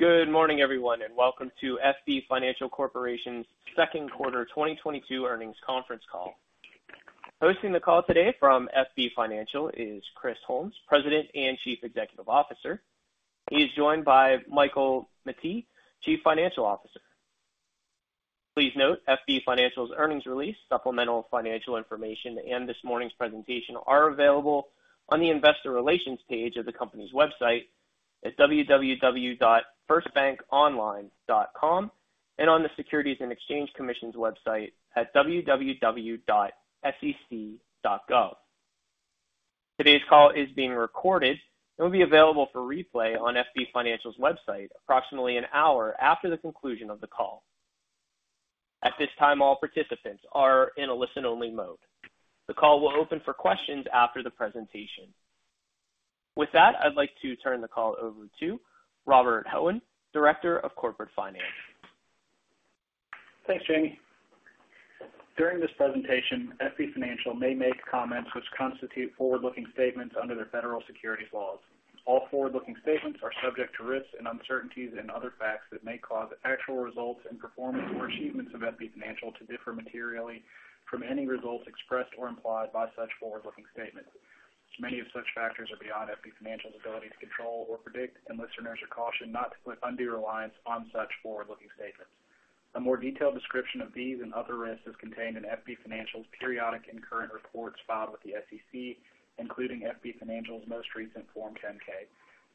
Good morning, everyone, and welcome to FB Financial Corporation's Second Quarter 2022 Earnings Conference Call. Hosting the call today from FB Financial is Chris Holmes, President and Chief Executive Officer. He is joined by Michael Mettee, Chief Financial Officer. Please note FB Financial's earnings release, supplemental financial information and this morning's presentation are available on the Investor Relations page of the company's website at www.firstbankonline.com and on the Securities and Exchange Commission's website at www.sec.gov. Today's call is being recorded and will be available for replay on FB Financial's website approximately an hour after the conclusion of the call. At this time, all participants are in a listen-only mode. The call will open for questions after the presentation. With that, I'd like to turn the call over to Robert Hoehn, Director of Corporate Finance. Thanks, Jamie. During this presentation, FB Financial may make comments which constitute forward-looking statements under the federal securities laws. All forward-looking statements are subject to risks and uncertainties and other facts that may cause actual results and performance or achievements of FB Financial to differ materially from any results expressed or implied by such forward-looking statements. Many of such factors are beyond FB Financial's ability to control or predict, and listeners are cautioned not to place undue reliance on such forward-looking statements. A more detailed description of these and other risks is contained in FB Financial's periodic and current reports filed with the SEC, including FB Financial's most recent Form 10-K.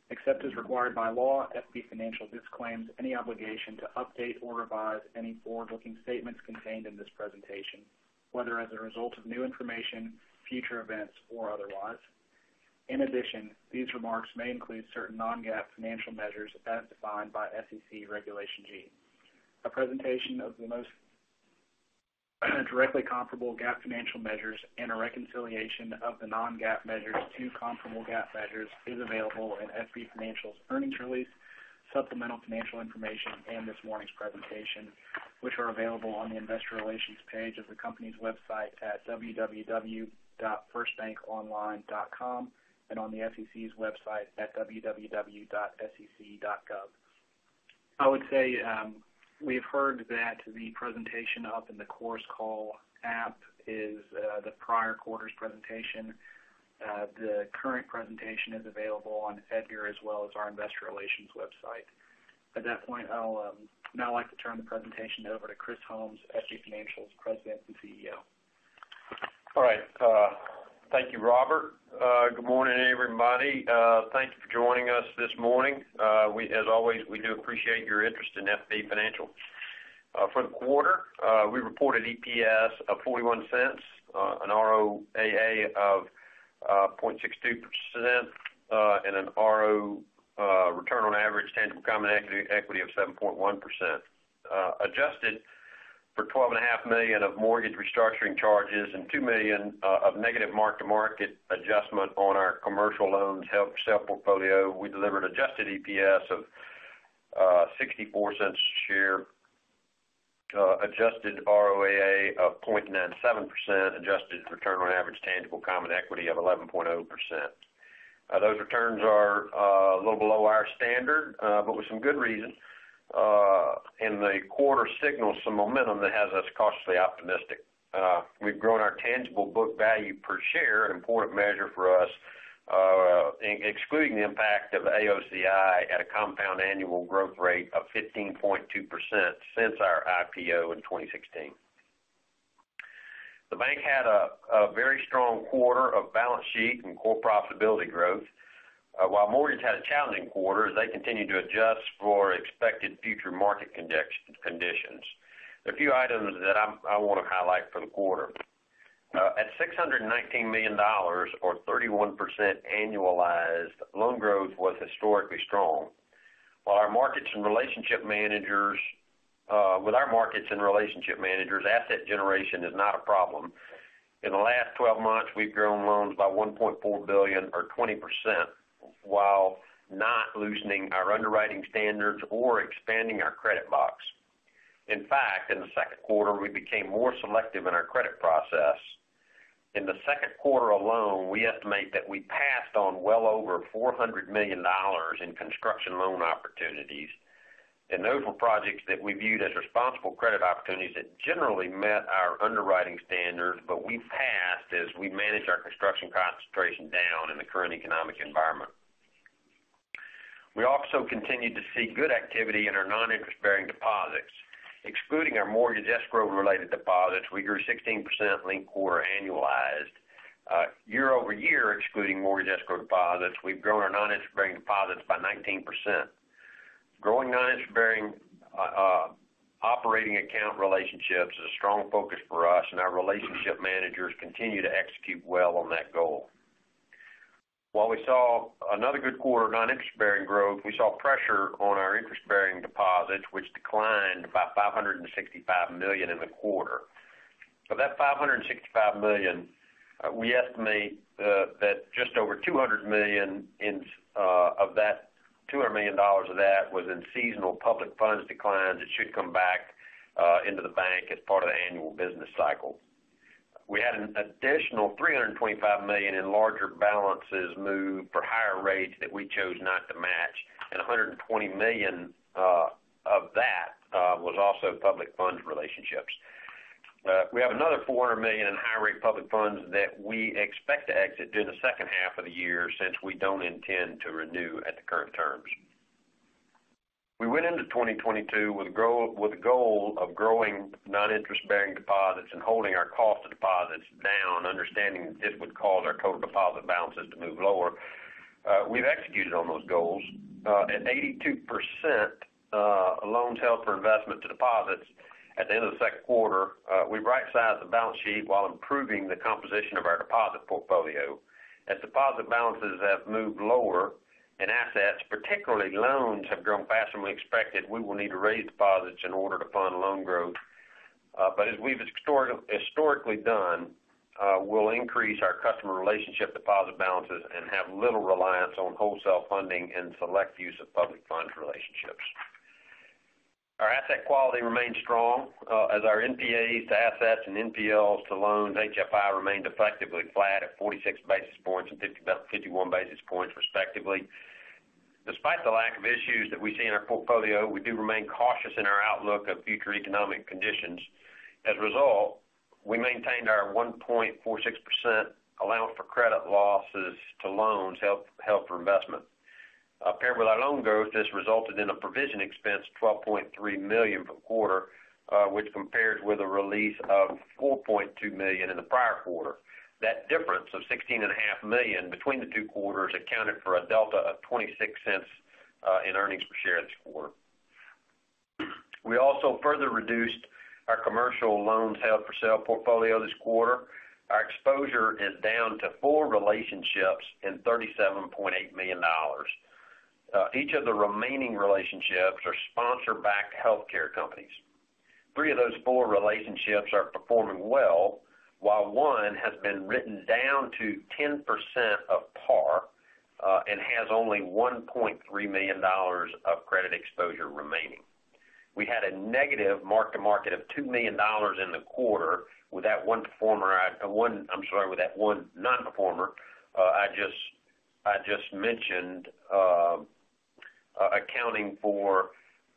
Except as required by law, FB Financial disclaims any obligation to update or revise any forward-looking statements contained in this presentation, whether as a result of new information, future events or otherwise. In addition, these remarks may include certain non-GAAP financial measures as defined by SEC Regulation G. A presentation of the most directly comparable GAAP financial measures and a reconciliation of the non-GAAP measures to comparable GAAP measures is available in FB Financial's earnings release, supplemental financial information, and this morning's presentation, which are available on the Investor Relations page of the company's website at www.firstbankonline.com and on the SEC's website at www.sec.gov. I would say, we've heard that the presentation up in the Chorus Call app is the prior quarter's presentation. The current presentation is available on EDGAR as well as our investor relations website. At that point, I'll now like to turn the presentation over to Chris Holmes, FB Financial's President and CEO. All right. Thank you, Robert. Good morning, everybody. Thank you for joining us this morning. As always, we do appreciate your interest in FB Financial. For the quarter, we reported EPS of $0.41, an ROAA of 0.62%, and a return on average tangible common equity of 7.1%. Adjusted for $12.5 million of mortgage restructuring charges and $2 million of negative mark-to-market adjustment on our commercial loans held-for-sale portfolio, we delivered adjusted EPS of $0.64 a share, adjusted ROAA of 0.97%, adjusted return on average tangible common equity of 11.0%. Those returns are a little below our standard, but with some good reason. The quarter signals some momentum that has us cautiously optimistic. We've grown our tangible book value per share, an important measure for us, excluding the impact of AOCI at a compound annual growth rate of 15.2% since our IPO in 2016. The bank had a very strong quarter of balance sheet and core profitability growth. While mortgage had a challenging quarter, they continued to adjust for expected future market conditions. There are a few items that I want to highlight for the quarter. At $619 million or 31% annualized, loan growth was historically strong. With our markets and relationship managers, asset generation is not a problem. In the last 12 months, we've grown loans by $1.4 billion or 20% while not loosening our underwriting standards or expanding our credit box. In fact, in the second quarter, we became more selective in our credit process. In the second quarter alone, we estimate that we passed on well over $400 million in construction loan opportunities, and those were projects that we viewed as responsible credit opportunities that generally met our underwriting standards, but we passed as we managed our construction concentration down in the current economic environment. We also continued to see good activity in our non-interest-bearing deposits. Excluding our mortgage escrow-related deposits, we grew 16% linked quarter annualized. Year-over-year, excluding mortgage escrow deposits, we've grown our non-interest-bearing deposits by 19%. Growing non-interest-bearing operating account relationships is a strong focus for us, and our relationship managers continue to execute well on that goal. While we saw another good quarter non-interest-bearing growth, we saw pressure on our interest-bearing deposits, which declined by $565 million in the quarter. Of that $565 million, we estimate that just over $200 million of that was in seasonal public funds declines that should come back into the bank as part of the annual business cycle. We had an additional $325 million in larger balances moved for higher rates that we chose not to match, and $120 million of that was also public fund relationships. We have another $400 million in high rate public funds that we expect to exit during the second half of the year since we don't intend to renew at the current terms. We went into 2022 with the goal of growing non-interest-bearing deposits and holding our cost of deposits down, understanding it would cause our total deposit balances to move lower. We've executed on those goals. At 82%, loans held for investment to deposits at the end of the second quarter, we've right-sized the balance sheet while improving the composition of our deposit portfolio. As deposit balances have moved lower and assets, particularly loans, have grown faster than we expected, we will need to raise deposits in order to fund loan growth. As we've historically done, we'll increase our customer relationship deposit balances and have little reliance on wholesale funding and select use of public fund relationships. Our asset quality remains strong, as our NPAs to assets and NPLs to loans HFI remained effectively flat at 46 basis points and 51 basis points respectively. Despite the lack of issues that we see in our portfolio, we do remain cautious in our outlook of future economic conditions. As a result, we maintained our 1.46% allowance for credit losses to loans held for investment. Paired with our loan growth, this resulted in a provision expense of $12.3 million for the quarter, which compares with a release of $4.2 million in the prior quarter. That difference of $16.5 million between the two quarters accounted for a delta of $0.26 in earnings per share this quarter. We also further reduced our commercial loans held-for-sale portfolio this quarter. Our exposure is down to four relationships and $37.8 million. Each of the remaining relationships are sponsor-backed healthcare companies. Three of those four relationships are performing well, while one has been written down to 10% of par and has only $1.3 million of credit exposure remaining. We had a negative mark-to-market of $2 million in the quarter with that one non-performer I just mentioned, accounting for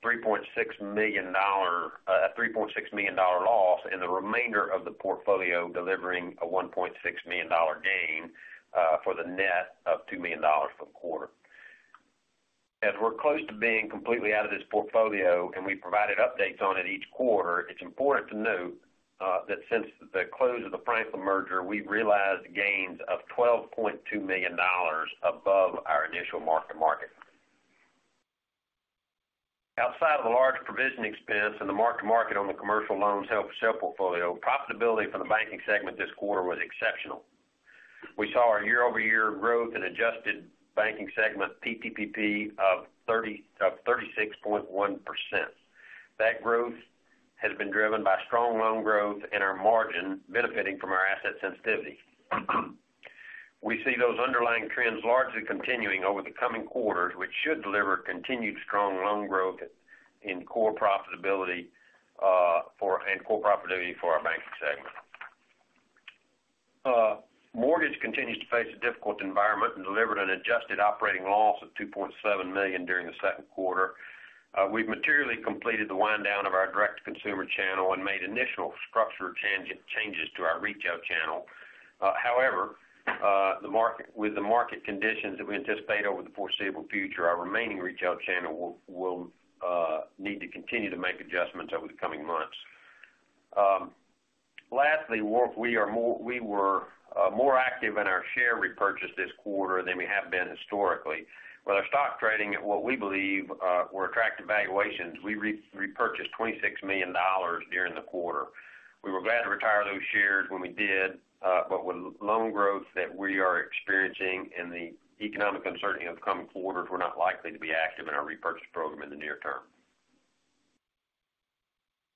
a $3.6 million loss and the remainder of the portfolio delivering a $1.6 million gain for the net of $2 million for the quarter. As we're close to being completely out of this portfolio and we provided updates on it each quarter, it's important to note that since the close of the Franklin merger, we've realized gains of $12.2 million above our initial mark-to-market. Outside of the large provision expense and the mark-to-market on the commercial loans held-for-sale portfolio, profitability for the banking segment this quarter was exceptional. We saw our year-over-year growth in adjusted banking segment PPP of 36.1%. That growth has been driven by strong loan growth and our margin benefiting from our asset sensitivity. We see those underlying trends largely continuing over the coming quarters, which should deliver continued strong loan growth and core profitability for our banking segment. Mortgage continues to face a difficult environment and delivered an adjusted operating loss of $2.7 million during the second quarter. We've materially completed the wind down of our direct-to-consumer channel and made initial structural changes to our retail channel. However, with the market conditions that we anticipate over the foreseeable future, our remaining retail channel will need to continue to make adjustments over the coming months. Lastly, we were more active in our share repurchase this quarter than we have been historically. With our stock trading at what we believe were attractive valuations, we repurchased $26 million during the quarter. We were glad to retire those shares when we did, but with loan growth that we are experiencing and the economic uncertainty of the coming quarters, we're not likely to be active in our repurchase program in the near term.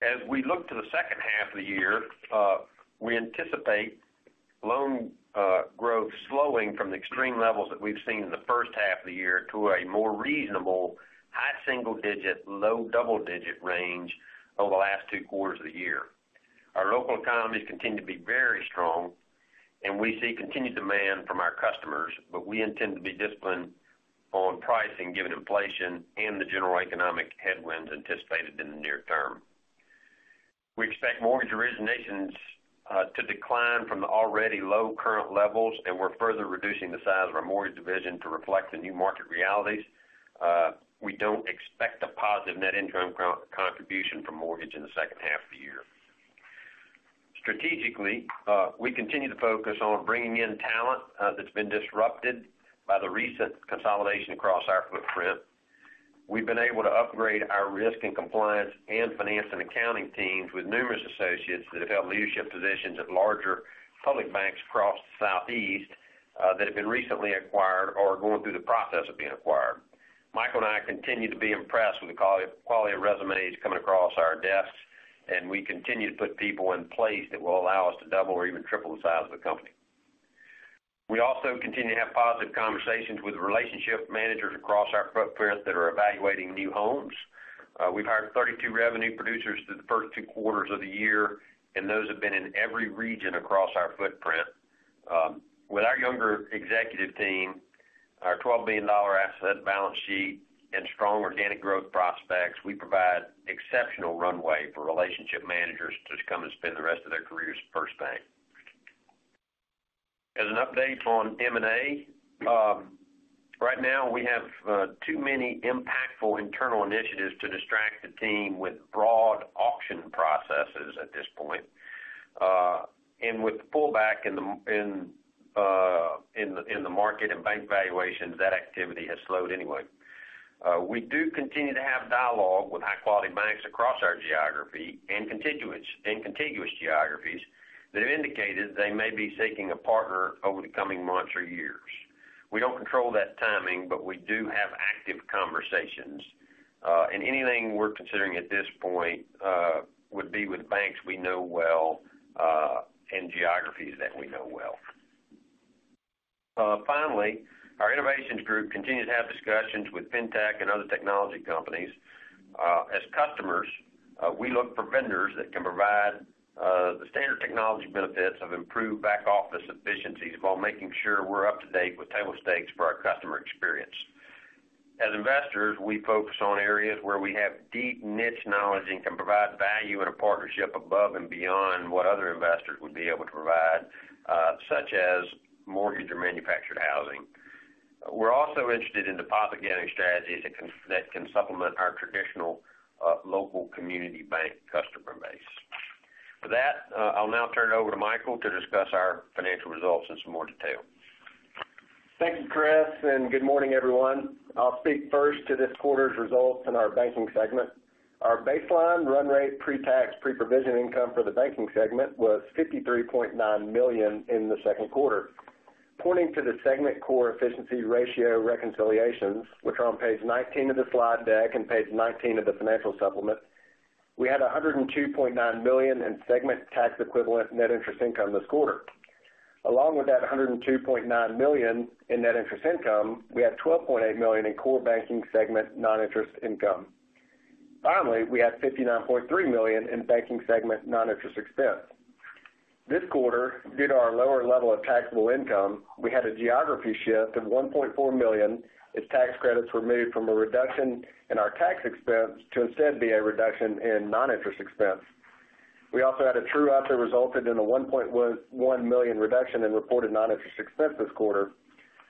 As we look to the second half of the year, we anticipate loan growth slowing from the extreme levels that we've seen in the first half of the year to a more reasonable high single-digit, low double-digit range over the last two quarters of the year. Our local economies continue to be very strong and we see continued demand from our customers, but we intend to be disciplined on pricing given inflation and the general economic headwinds anticipated in the near term. We expect mortgage originations to decline from the already low current levels, and we're further reducing the size of our mortgage division to reflect the new market realities. We don't expect a positive net income contribution from mortgage in the second half of the year. Strategically, we continue to focus on bringing in talent that's been disrupted by the recent consolidation across our footprint. We've been able to upgrade our risk and compliance and finance and accounting teams with numerous associates that have held leadership positions at larger public banks across the Southeast that have been recently acquired or are going through the process of being acquired. Michael and I continue to be impressed with the quality of resumes coming across our desks, and we continue to put people in place that will allow us to double or even triple the size of the company. We also continue to have positive conversations with relationship managers across our footprint that are evaluating new homes. We've hired 32 revenue producers through the first two quarters of the year, and those have been in every region across our footprint. With our younger executive team, our $12 billion asset balance sheet and strong organic growth prospects, we provide exceptional runway for relationship managers to come and spend the rest of their careers at FirstBank. As an update on M&A, right now we have too many impactful internal initiatives to distract the team with broad auction processes at this point. with the pullback in the market and bank valuations, that activity has slowed anyway. We do continue to have dialogue with high-quality banks across our geography and contiguous geographies that have indicated they may be seeking a partner over the coming months or years. We don't control that timing, but we do have active conversations. Anything we're considering at this point would be with banks we know well and geographies that we know well. Finally, our innovations group continued to have discussions with Fintech and other technology companies. As customers, we look for vendors that can provide the standard technology benefits of improved back-office efficiencies while making sure we're up to date with table stakes for our customer experience. As investors, we focus on areas where we have deep niche knowledge and can provide value in a partnership above and beyond what other investors would be able to provide, such as mortgage or manufactured housing. We're also interested in deposit-getting strategies that can supplement our traditional, local community bank customer base. For that, I'll now turn it over to Michael to discuss our financial results in some more detail. Thank you, Chris, and good morning, everyone. I'll speak first to this quarter's results in our banking segment. Our baseline run rate pre-tax, pre-provision income for the banking segment was $53.9 million in the second quarter. Pointing to the segment core efficiency ratio reconciliations, which are on page 19 of the slide deck and page 19 of the financial supplement, we had $102.9 million in segment tax equivalent net interest income this quarter. Along with that $102.9 million in net interest income, we had $12.8 million in core banking segment non-interest income. Finally, we had $59.3 million in banking segment non-interest expense. This quarter, due to our lower level of taxable income, we had a geography shift of $1.4 million as tax credits were made from a reduction in our tax expense to instead be a reduction in non-interest expense. We also had a true-up that resulted in a $1.11 million reduction in reported non-interest expense this quarter.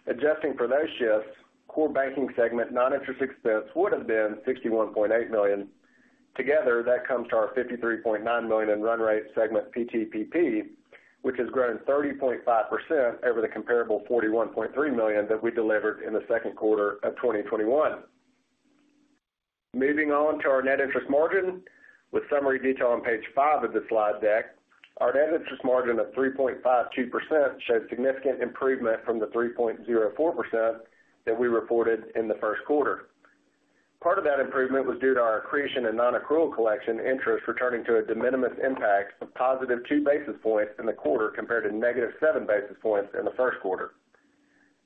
Adjusting for those shifts, core banking segment non-interest expense would have been $61.8 million. Together, that comes to our $53.9 million in run rate segment PTPP, which has grown 30.5% over the comparable $41.3 million that we delivered in the second quarter of 2021. Moving on to our net interest margin with summary detail on page five of the slide deck. Our net interest margin of 3.52% shows significant improvement from the 3.04% that we reported in the first quarter. Part of that improvement was due to our accretion and non-accrual collection interest returning to a de minimis impact of +2 basis points in the quarter compared to -7 basis points in the first quarter.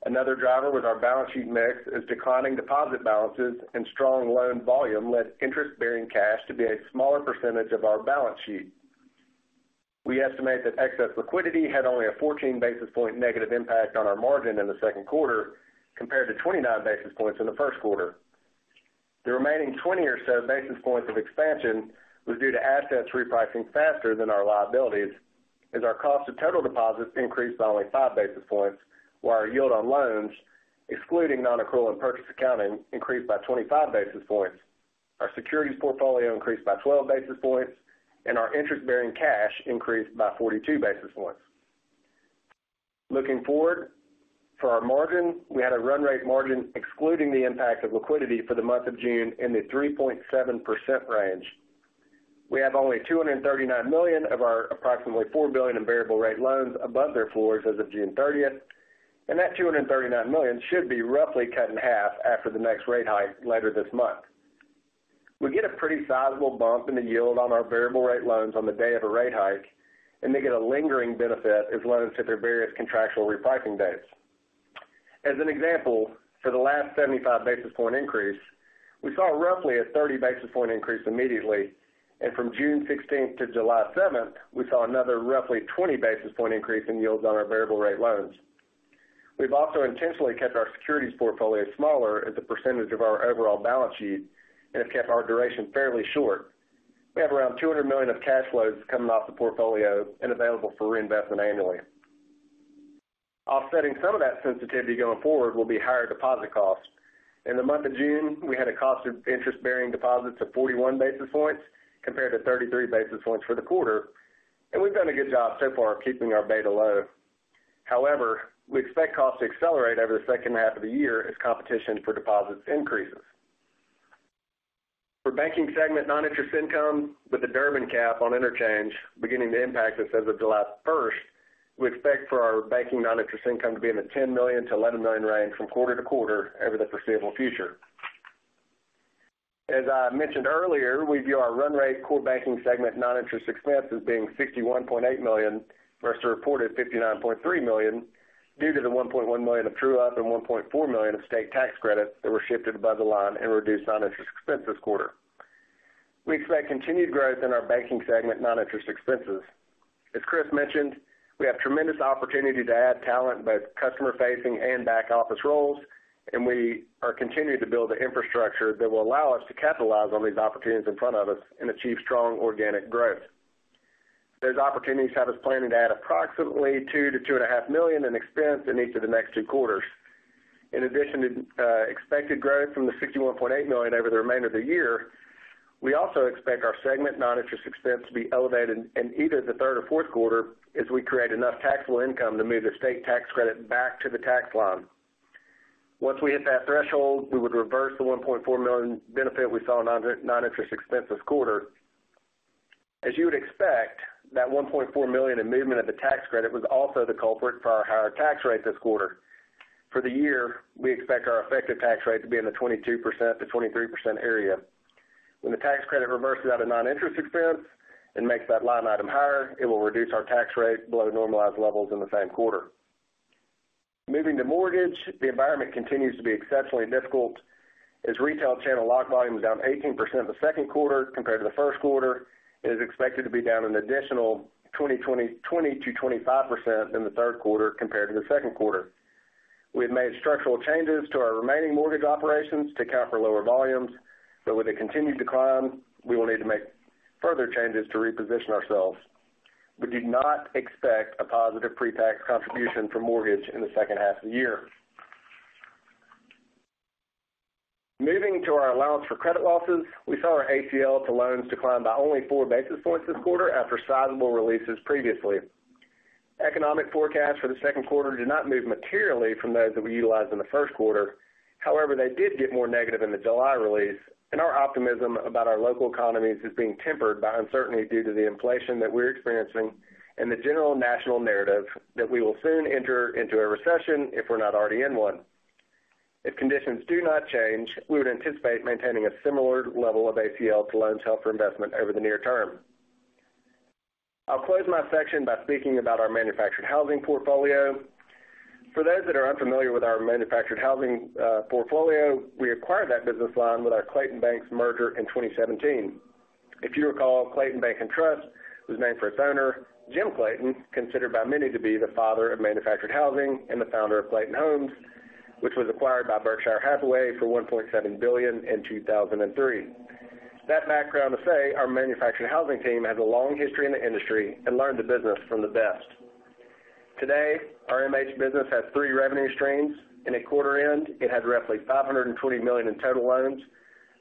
Another driver with our balance sheet mix is declining deposit balances and strong loan volume led interest-bearing cash to be a smaller percentage of our balance sheet. We estimate that excess liquidity had only a 14 basis point negative impact on our margin in the second quarter compared to 29 basis points in the first quarter. The remaining 20 or so basis points of expansion was due to assets repricing faster than our liabilities as our cost of total deposits increased by only five basis points, while our yield on loans, excluding non-accrual and purchase accounting, increased by 25 basis points. Our securities portfolio increased by 12 basis points, and our interest-bearing cash increased by 42 basis points. Looking forward, for our margin, we had a run rate margin excluding the impact of liquidity for the month of June in the 3.7% range. We have only $239 million of our approximately $4 billion in variable rate loans above their floors as of June 30th, and that $239 million should be roughly cut in half after the next rate hike later this month. We get a pretty sizable bump in the yield on our variable rate loans on the day of a rate hike, and they get a lingering benefit as loans hit their various contractual repricing dates. As an example, for the last 75 basis point increase, we saw roughly a 30 basis point increase immediately, and from June 16th to July 7th, we saw another roughly 20 basis point increase in yields on our variable rate loans. We've also intentionally kept our securities portfolio smaller as a percentage of our overall balance sheet and have kept our duration fairly short. We have around $200 million of cash flows coming off the portfolio and available for reinvestment annually. Offsetting some of that sensitivity going forward will be higher deposit costs. In the month of June, we had a cost of interest-bearing deposits of 41 basis points compared to 33 basis points for the quarter, and we've done a good job so far of keeping our beta low. However, we expect costs to accelerate over the second half of the year as competition for deposits increases. For banking segment non-interest income, with the Durbin cap on interchange beginning to impact us as of July first, we expect for our banking non-interest income to be in the $10 million-$11 million range from quarter to quarter over the foreseeable future. As I mentioned earlier, we view our run rate core banking segment non-interest expense as being $61.8 million versus the reported $59.3 million, due to the $1.1 million of true-up and $1.4 million of state tax credits that were shifted above the line and reduced non-interest expense this quarter. We expect continued growth in our banking segment non-interest expenses. As Chris mentioned, we have tremendous opportunity to add talent in both customer-facing and back-office roles, and we are continuing to build the infrastructure that will allow us to capitalize on these opportunities in front of us and achieve strong organic growth. Those opportunities have us planning to add approximately $2-$2.5 million in expense in each of the next two quarters. In addition to expected growth from the $61.8 million over the remainder of the year, we also expect our segment non-interest expense to be elevated in either the third or fourth quarter as we create enough taxable income to move the state tax credit back to the tax line. Once we hit that threshold, we would reverse the $1.4 million benefit we saw in non-interest expense this quarter. As you would expect, that $1.4 million in movement of the tax credit was also the culprit for our higher tax rate this quarter. For the year, we expect our effective tax rate to be in the 22%-23% area. When the tax credit reverses out of non-interest expense and makes that line item higher, it will reduce our tax rate below normalized levels in the same quarter. Moving to mortgage, the environment continues to be exceptionally difficult as retail channel lock volume is down 18% in the second quarter compared to the first quarter, and is expected to be down an additional 20%-25% in the third quarter compared to the second quarter. We have made structural changes to our remaining mortgage operations to account for lower volumes, but with a continued decline, we will need to make further changes to reposition ourselves. We do not expect a positive pre-tax contribution for mortgage in the second half of the year. Moving to our allowance for credit losses, we saw our ACL to loans decline by only four basis points this quarter after sizable releases previously. Economic forecasts for the second quarter did not move materially from those that we utilized in the first quarter. However, they did get more negative in the July release, and our optimism about our local economies is being tempered by uncertainty due to the inflation that we're experiencing and the general national narrative that we will soon enter into a recession if we're not already in one. If conditions do not change, we would anticipate maintaining a similar level of ACL to loans held for investment over the near term. I'll close my section by speaking about our manufactured housing portfolio. For those that are unfamiliar with our manufactured housing portfolio, we acquired that business line with our Clayton Bank and Trust merger in 2017. If you recall, Clayton Bank and Trust was named for its owner, Jim Clayton, considered by many to be the father of manufactured housing and the founder of Clayton Homes, which was acquired by Berkshire Hathaway for $1.7 billion in 2003. That background to say, our manufactured housing team has a long history in the industry and learned the business from the best. Today, our MH business has three revenue streams, and at quarter end, it had roughly $520 million in total loans,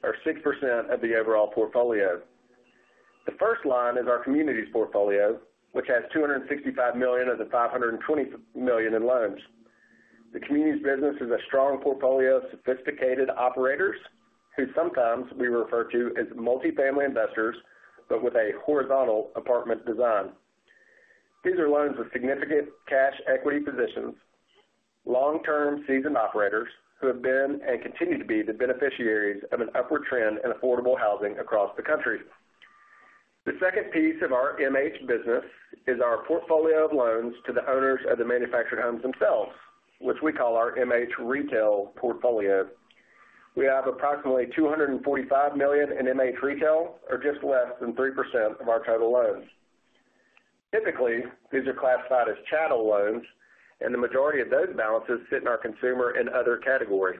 or 6% of the overall portfolio. The first line is our communities portfolio, which has $265 million of the $520 million in loans. The communities business is a strong portfolio of sophisticated operators who sometimes we refer to as multifamily investors, but with a horizontal apartment design. These are loans with significant cash equity positions, long-term seasoned operators who have been and continue to be the beneficiaries of an upward trend in affordable housing across the country. The second piece of our MH business is our portfolio of loans to the owners of the manufactured homes themselves, which we call our MH retail portfolio. We have approximately $245 million in MH retail, or just less than 3% of our total loans. Typically, these are classified as chattel loans, and the majority of those balances sit in our consumer and other category.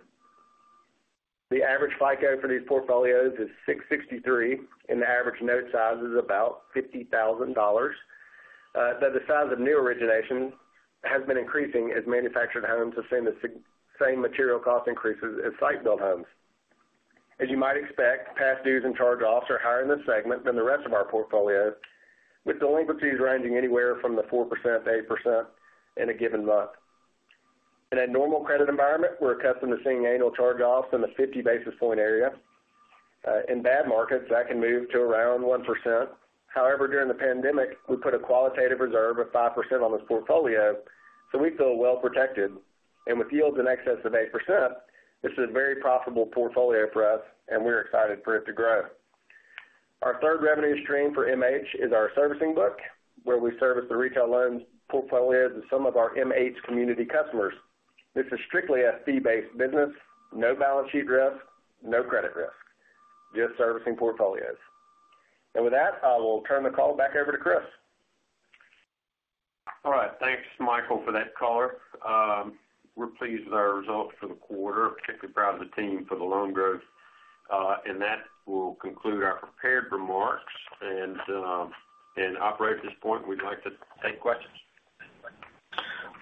The average FICO for these portfolios is 663, and the average note size is about $50,000. Though the size of new origination has been increasing as manufactured homes have seen the same material cost increases as site-built homes. As you might expect, past dues and charge-offs are higher in this segment than the rest of our portfolio, with delinquencies ranging anywhere from 4%-8% in a given month. In a normal credit environment, we're accustomed to seeing annual charge-offs in the 50 basis point area. In bad markets, that can move to around 1%. However, during the pandemic, we put a qualitative reserve of 5% on this portfolio, so we feel well protected. With yields in excess of 8%, this is a very profitable portfolio for us, and we're excited for it to grow. Our third revenue stream for MH is our servicing book, where we service the retail loans portfolios of some of our MH community customers. This is strictly a fee-based business, no balance sheet risk, no credit risk, just servicing portfolios. With that, I will turn the call back over to Chris. All right. Thanks, Michael, for that color. We're pleased with our results for the quarter. Particularly proud of the team for the loan growth. That will conclude our prepared remarks. Operator, at this point, we'd like to take questions.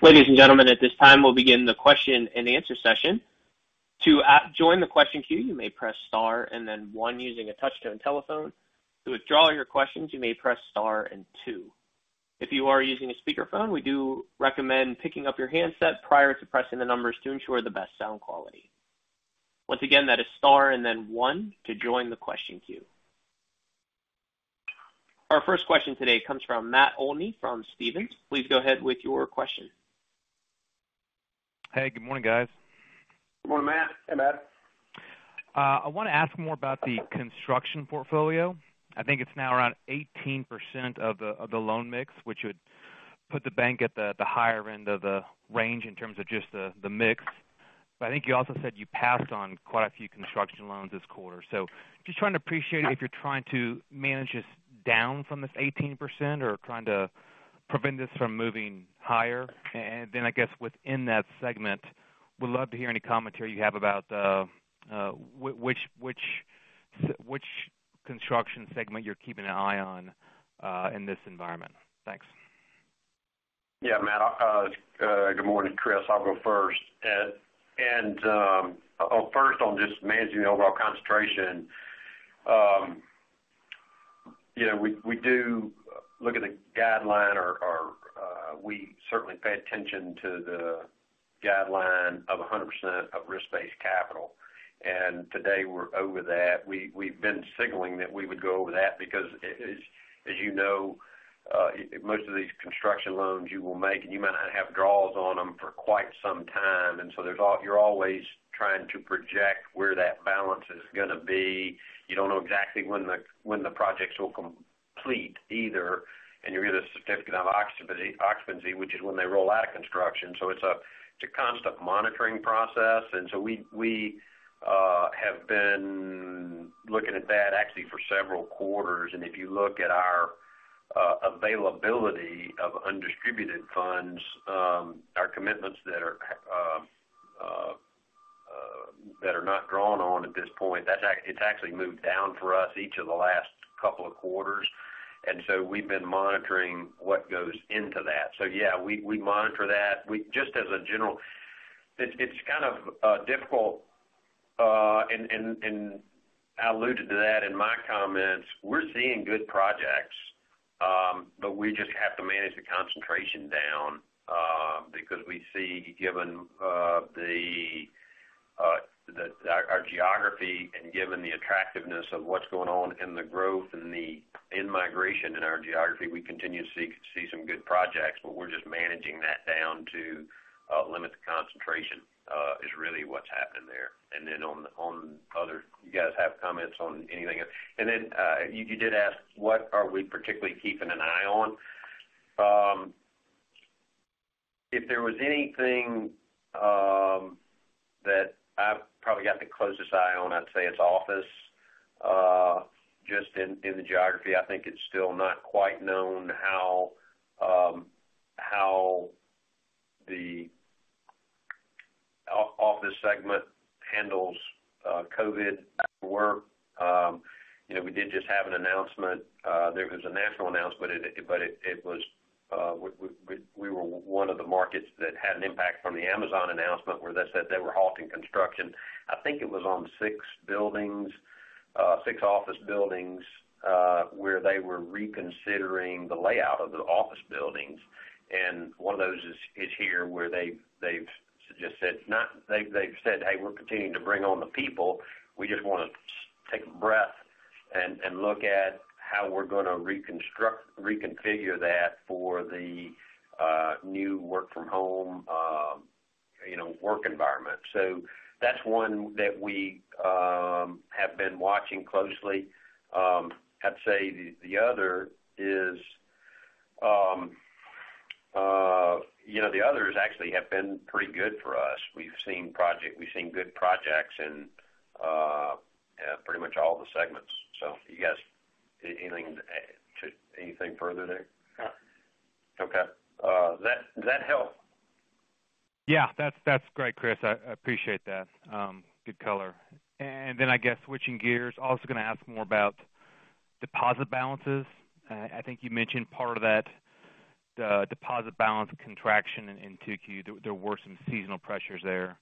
Ladies and gentlemen, at this time, we'll begin the question and answer session. To join the question queue, you may press star and then one using a touch-tone telephone. To withdraw your questions, you may press star and two. If you are using a speakerphone, we do recommend picking up your handset prior to pressing the numbers to ensure the best sound quality. Once again, that is star and then one to join the question queue. Our first question today comes from Matt Olney from Stephens. Please go ahead with your question. Hey, good morning, guys. Good morning, Matt. Hey, Matt. I wanna ask more about the construction portfolio. I think it's now around 18% of the loan mix, which would put the bank at the higher end of the range in terms of just the mix. I think you also said you passed on quite a few construction loans this quarter. So just trying to appreciate if you're trying to manage this down from this 18% or trying to prevent this from moving higher. And then I guess within that segment, would love to hear any commentary you have about which construction segment you're keeping an eye on in this environment. Thanks. Yeah, Matt. Good morning, Chris. I'll go first. First on just managing the overall concentration. You know, we do look at the guideline or we certainly pay attention to the guideline of 100% of risk-based capital. Today, we're over that. We've been signaling that we would go over that because as you know, most of these construction loans you will make, and you might not have draws on them for quite some time. You're always trying to project where that balance is gonna be. You don't know exactly when the projects will complete either, and you'll get a certificate of occupancy, which is when they roll out of construction. It's a constant monitoring process. We have been looking at that actually for several quarters. If you look at our availability of undistributed funds, our commitments that are not drawn on at this point, that's actually moved down for us each of the last couple of quarters. We've been monitoring what goes into that. Yeah, we monitor that. Just as a general. It's kind of difficult, and I alluded to that in my comments. We're seeing good projects, but we just have to manage the concentration down, because we see given our geography and given the attractiveness of what's going on in the growth and the in-migration in our geography, we continue to see some good projects, but we're just managing that down to limit the concentration, is really what's happening there. You guys have comments on anything else? You did ask what are we particularly keeping an eye on. If there was anything that I've probably got the closest eye on, I'd say it's office just in the geography. I think it's still not quite known how the office segment handles COVID work. You know, we did just have an announcement. There was a national announcement, but it was we were one of the markets that had an impact from the Amazon announcement where they said they were halting construction. I think it was on six buildings, six office buildings, where they were reconsidering the layout of the office buildings. One of those is here where they've just said, "Hey, we're continuing to bring on the people. We just wanna take a breath and look at how we're gonna reconfigure that for the new work from home, you know, work environment." That's one that we have been watching closely. I'd say the other is, you know, the others actually have been pretty good for us. We've seen good projects and, yeah, pretty much all the segments. You guys, anything further there? No. Okay. Does that help? Yeah. That's great, Chris. I appreciate that. Good color. I guess switching gears, also gonna ask more about deposit balances. I think you mentioned part of that, the deposit balance contraction in 2Q. There were some seasonal pressures there.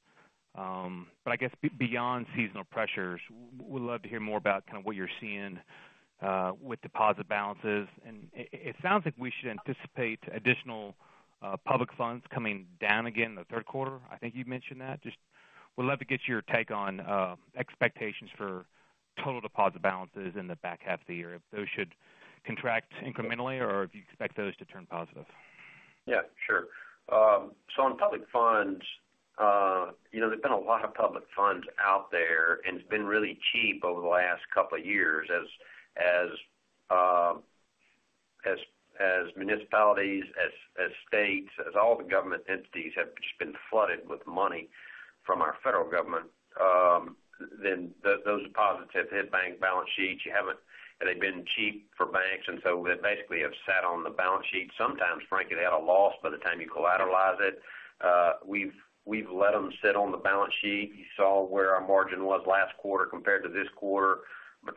I guess beyond seasonal pressures, we'd love to hear more about kind of what you're seeing with deposit balances. It sounds like we should anticipate additional public funds coming down again in the third quarter. I think you've mentioned that. Just would love to get your take on expectations for total deposit balances in the back half of the year, if those should contract incrementally or if you expect those to turn positive. Yeah, sure. So on public funds, you know, there's been a lot of public funds out there, and it's been really cheap over the last couple of years as municipalities, as states, as all the government entities have just been flooded with money from our federal government. Those deposits have hit bank balance sheets. They've been cheap for banks, and so they basically have sat on the balance sheet. Sometimes, frankly, they had a loss by the time you collateralize it. We've let them sit on the balance sheet. You saw where our margin was last quarter compared to this quarter.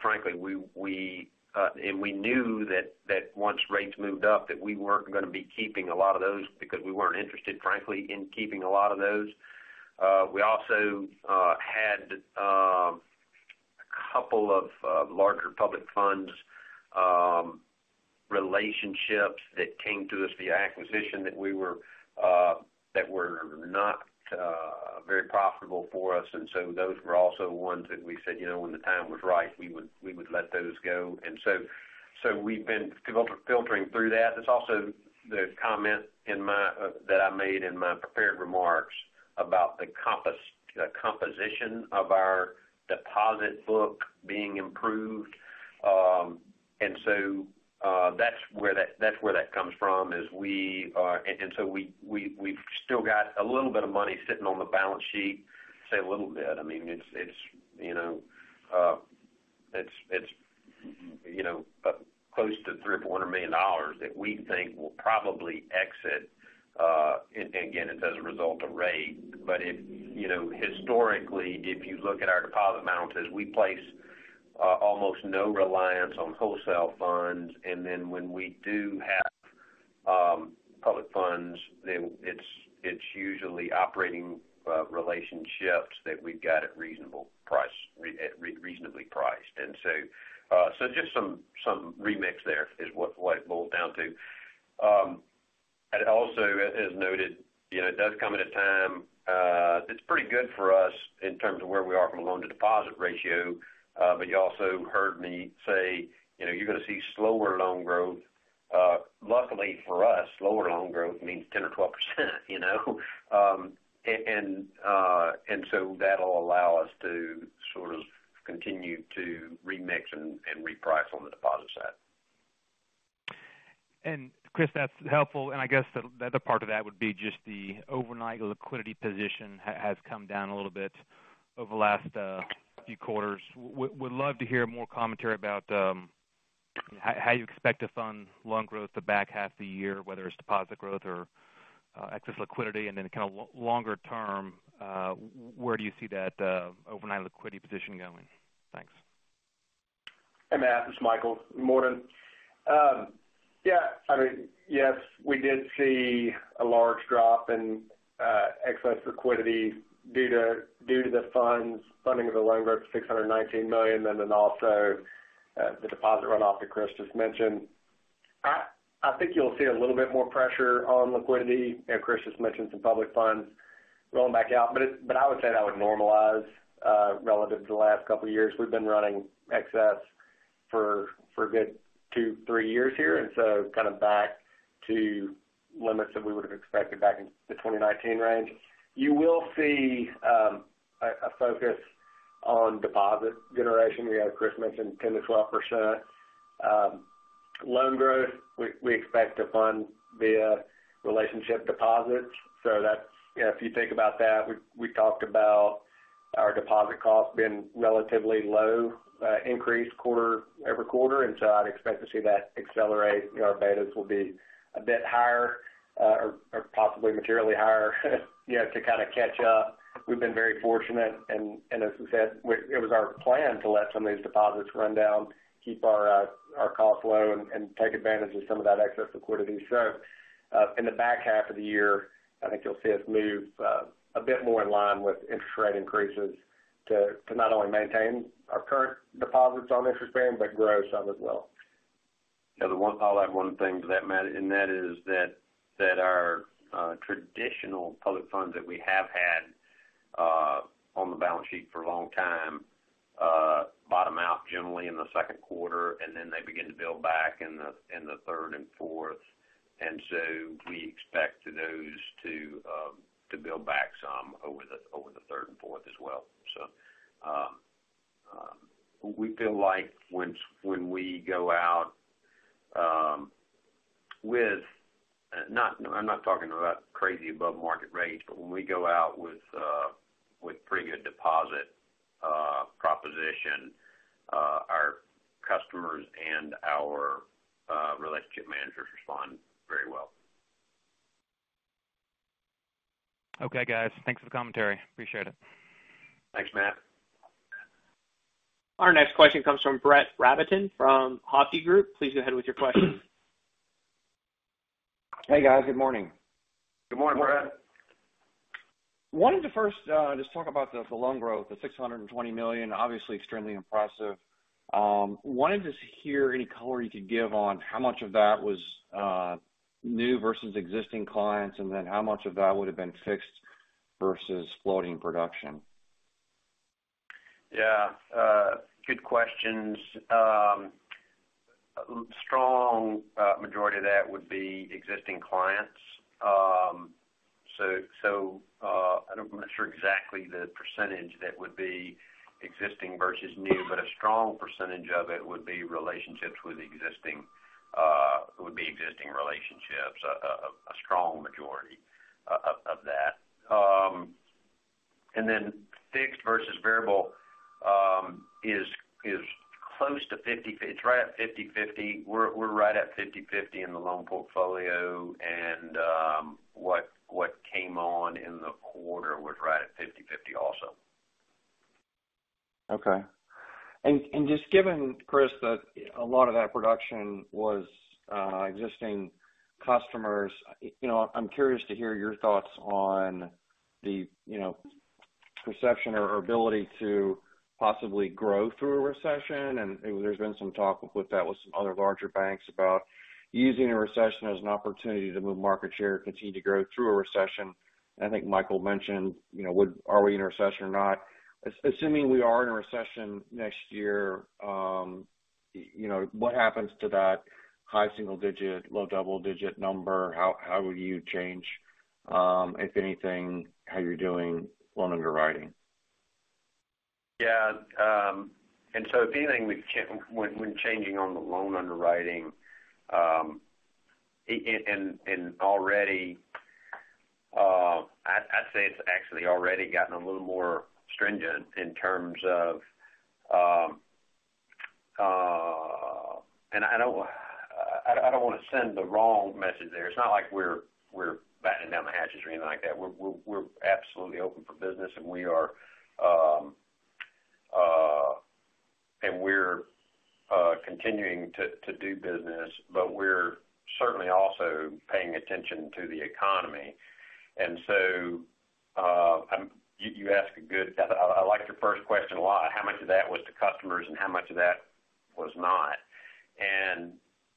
Frankly, we knew that once rates moved up, that we weren't gonna be keeping a lot of those because we weren't interested, frankly, in keeping a lot of those. We also had a couple of larger public funds relationships that came to us via acquisition that were not very profitable for us. Those were also ones that we said, you know, when the time was right, we would let those go. So we've been filtering through that. There's also the comment that I made in my prepared remarks about the composition of our deposit book being improved. That's where that comes from. We've still got a little bit of money sitting on the balance sheet. Say a little bit. I mean, it's you know, it's close to $300-$400 million that we think will probably exit, and again, it's as a result of rate. If you know, historically, if you look at our deposit amounts as we place almost no reliance on wholesale funds, and then when we do have public funds, then it's usually operating relationships that we've got at reasonable price, reasonably priced. Just some remix there is what it boils down to. Also, as noted, you know, it does come at a time that's pretty good for us in terms of where we are from a loan to deposit ratio, but you also heard me say, you know, you're gonna see slower loan growth. Luckily for us, slower loan growth means 10% or 12%, you know. That'll allow us to sort of continue to remix and reprice on the deposit side. Chris, that's helpful. I guess the other part of that would be just the overnight liquidity position has come down a little bit over the last few quarters. Would love to hear more commentary about how you expect to fund loan growth the back half of the year, whether it's deposit growth or excess liquidity, and then kinda longer term, where do you see that overnight liquidity position going? Thanks. Hey, Matt, it's Michael. Morning. I mean, yes, we did see a large drop in excess liquidity due to the funding of the loan growth, $619 million, and then also the deposit runoff that Chris just mentioned. I think you'll see a little bit more pressure on liquidity. You know, Chris just mentioned some public funds rolling back out. But I would say that would normalize relative to the last couple of years. We've been running excess for a good two to three years here, and so kind of back to limits that we would have expected back in the 2019 range. You will see a focus on deposit generation. You know, Chris mentioned 10%-12% loan growth. We expect to fund via relationship deposits. That's, you know, if you think about that, we talked about our deposit costs being relatively low, increase every quarter. I'd expect to see that accelerate. You know, our betas will be a bit higher, or possibly materially higher, you know, to kinda catch up. We've been very fortunate, as we said, it was our plan to let some of these deposits run down, keep our costs low, and take advantage of some of that excess liquidity. In the back half of the year, I think you'll see us move a bit more in line with interest rate increases to not only maintain our current deposits and to expand, but grow some as well. Yeah. I'll add one thing to that, Matt, and that is that our traditional public funds that we have had on the balance sheet for a long time bottom out generally in the second quarter, and then they begin to build back in the third and fourth. We expect those to build back some over the third and fourth as well. We feel like when we go out with, not, I'm not talking about crazy above-market rates, but when we go out with pretty good deposit proposition, our customers and our relationship managers respond very well. Okay, guys. Thanks for the commentary. Appreciate it. Thanks, Matt. Our next question comes from Brett Rabatin from Hovde Group. Please go ahead with your question. Hey, guys. Good morning. Good morning, Brett. Wanted to first just talk about the loan growth, the $620 million, obviously extremely impressive. Wanted to hear any color you could give on how much of that was new versus existing clients, and then how much of that would have been fixed versus floating production. Yeah, good questions. Strong majority of that would be existing clients. I'm not sure exactly the percentage that would be existing versus new, but a strong percentage of it would be existing relationships, a strong majority of that. Fixed versus variable is close to 50. It's right at 50/50. We're right at 50/50 in the loan portfolio and, what came on in the quarter was right at 50/50 also. Okay. Just given, Chris Holmes, that a lot of that production was existing customers, you know, I'm curious to hear your thoughts on the, you know, perception or ability to possibly grow through a recession. There's been some talk about that, with some other larger banks about using a recession as an opportunity to gain market share, continue to grow through a recession. I think Michael mentioned, you know, are we in a recession or not? Assuming we are in a recession next year, you know, what happens to that high single digit, low double digit number? How would you change, if anything, how you're doing loan underwriting? Yeah. If anything, we're changing on the loan underwriting, and already, I'd say it's actually already gotten a little more stringent in terms of. I don't want to send the wrong message there. It's not like we're batten down the hatches or anything like that. We're absolutely open for business, and we're continuing to do business, but we're certainly also paying attention to the economy. You ask a good question. I like your first question a lot. How much of that was the customers and how much of that was not?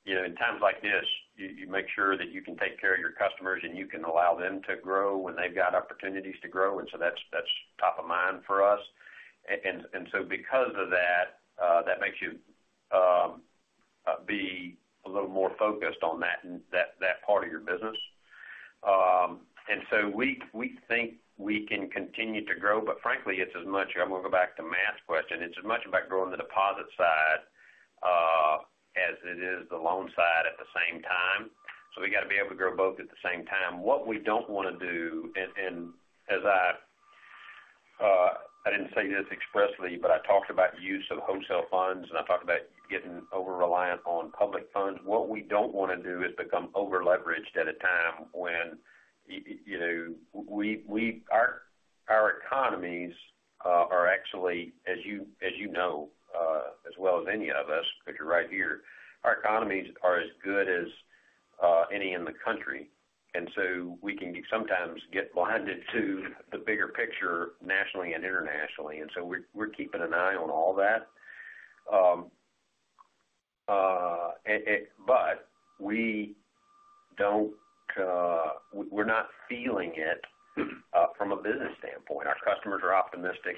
You know, in times like this, you make sure that you can take care of your customers, and you can allow them to grow when they've got opportunities to grow. That's top of mind for us. Because of that makes you be a little more focused on that part of your business. We think we can continue to grow. Frankly, it's as much. I'm gonna go back to Matt's question. It's as much about growing the deposit side as it is the loan side at the same time. We gotta be able to grow both at the same time. What we don't wanna do, and as I didn't say this expressly, but I talked about use of wholesale funds, and I talked about getting over-reliant on public funds. What we don't wanna do is become over-leveraged at a time when our economies are actually as you know as well as any of us, because you're right here, our economies are as good as any in the country. We can sometimes get blinded to the bigger picture nationally and internationally. We're keeping an eye on all that. But we don't, we're not feeling it from a business standpoint. Our customers are optimistic.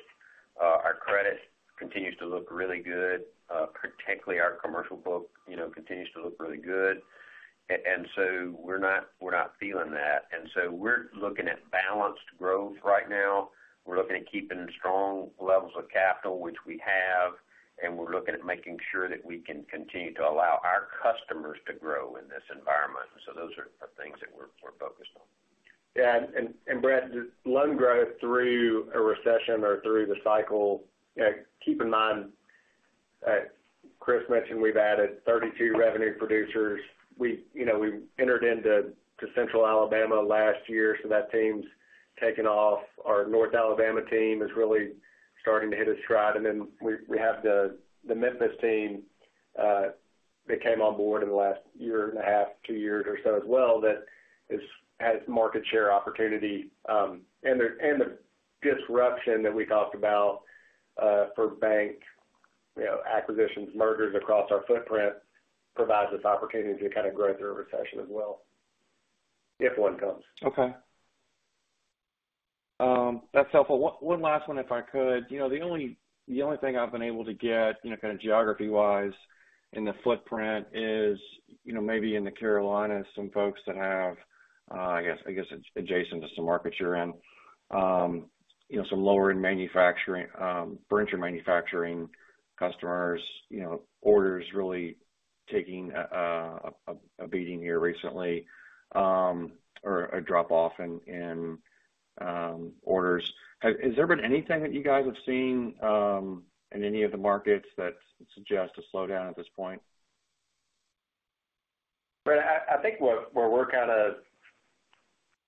Our credit continues to look really good, particularly our commercial book, you know, continues to look really good. We're not feeling that. We're looking at balanced growth right now. We're looking at keeping strong levels of capital, which we have, and we're looking at making sure that we can continue to allow our customers to grow in this environment. Those are the things that we're focused on. Yeah. Brett, loan growth through a recession or through the cycle, keep in mind that Chris mentioned we've added 32 revenue producers. We, you know, entered into central Alabama last year, so that team's taken off. Our North Alabama team is really starting to hit its stride. Then we have the Memphis team that came on board in the last year and a half, two years or so as well, has market share opportunity. The disruption that we talked about for bank, you know, acquisitions, mergers across our footprint provides us opportunity to kind of grow through a recession as well, if one comes. Okay. That's helpful. One last one, if I could. You know, the only thing I've been able to get, you know, kind of geography-wise in the footprint is, you know, maybe in the Carolinas, some folks that have, I guess it's adjacent to some markets you're in, you know, some lower end manufacturing, branch or manufacturing customers, you know, orders really taking a beating here recently, or a drop off in orders. Is there been anything that you guys have seen, in any of the markets that suggest a slowdown at this point? Brett, I think what we're kind of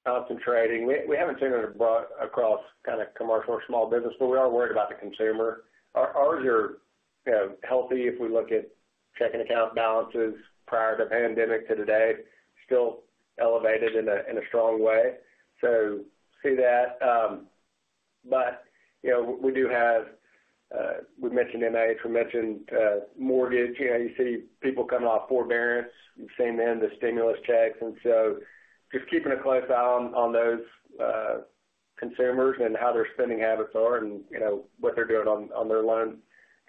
concentrating, we haven't seen it abroad across kind of commercial or small business, but we are worried about the consumer. Ours are, you know, healthy if we look at checking account balances prior to pandemic to today, still elevated in a strong way. So see that. But, you know, we do have, we mentioned M&A, we mentioned mortgage. You know, you see people coming off forbearance, same in the stimulus checks. Just keeping a close eye on those consumers and how their spending habits are and, you know, what they're doing on their loan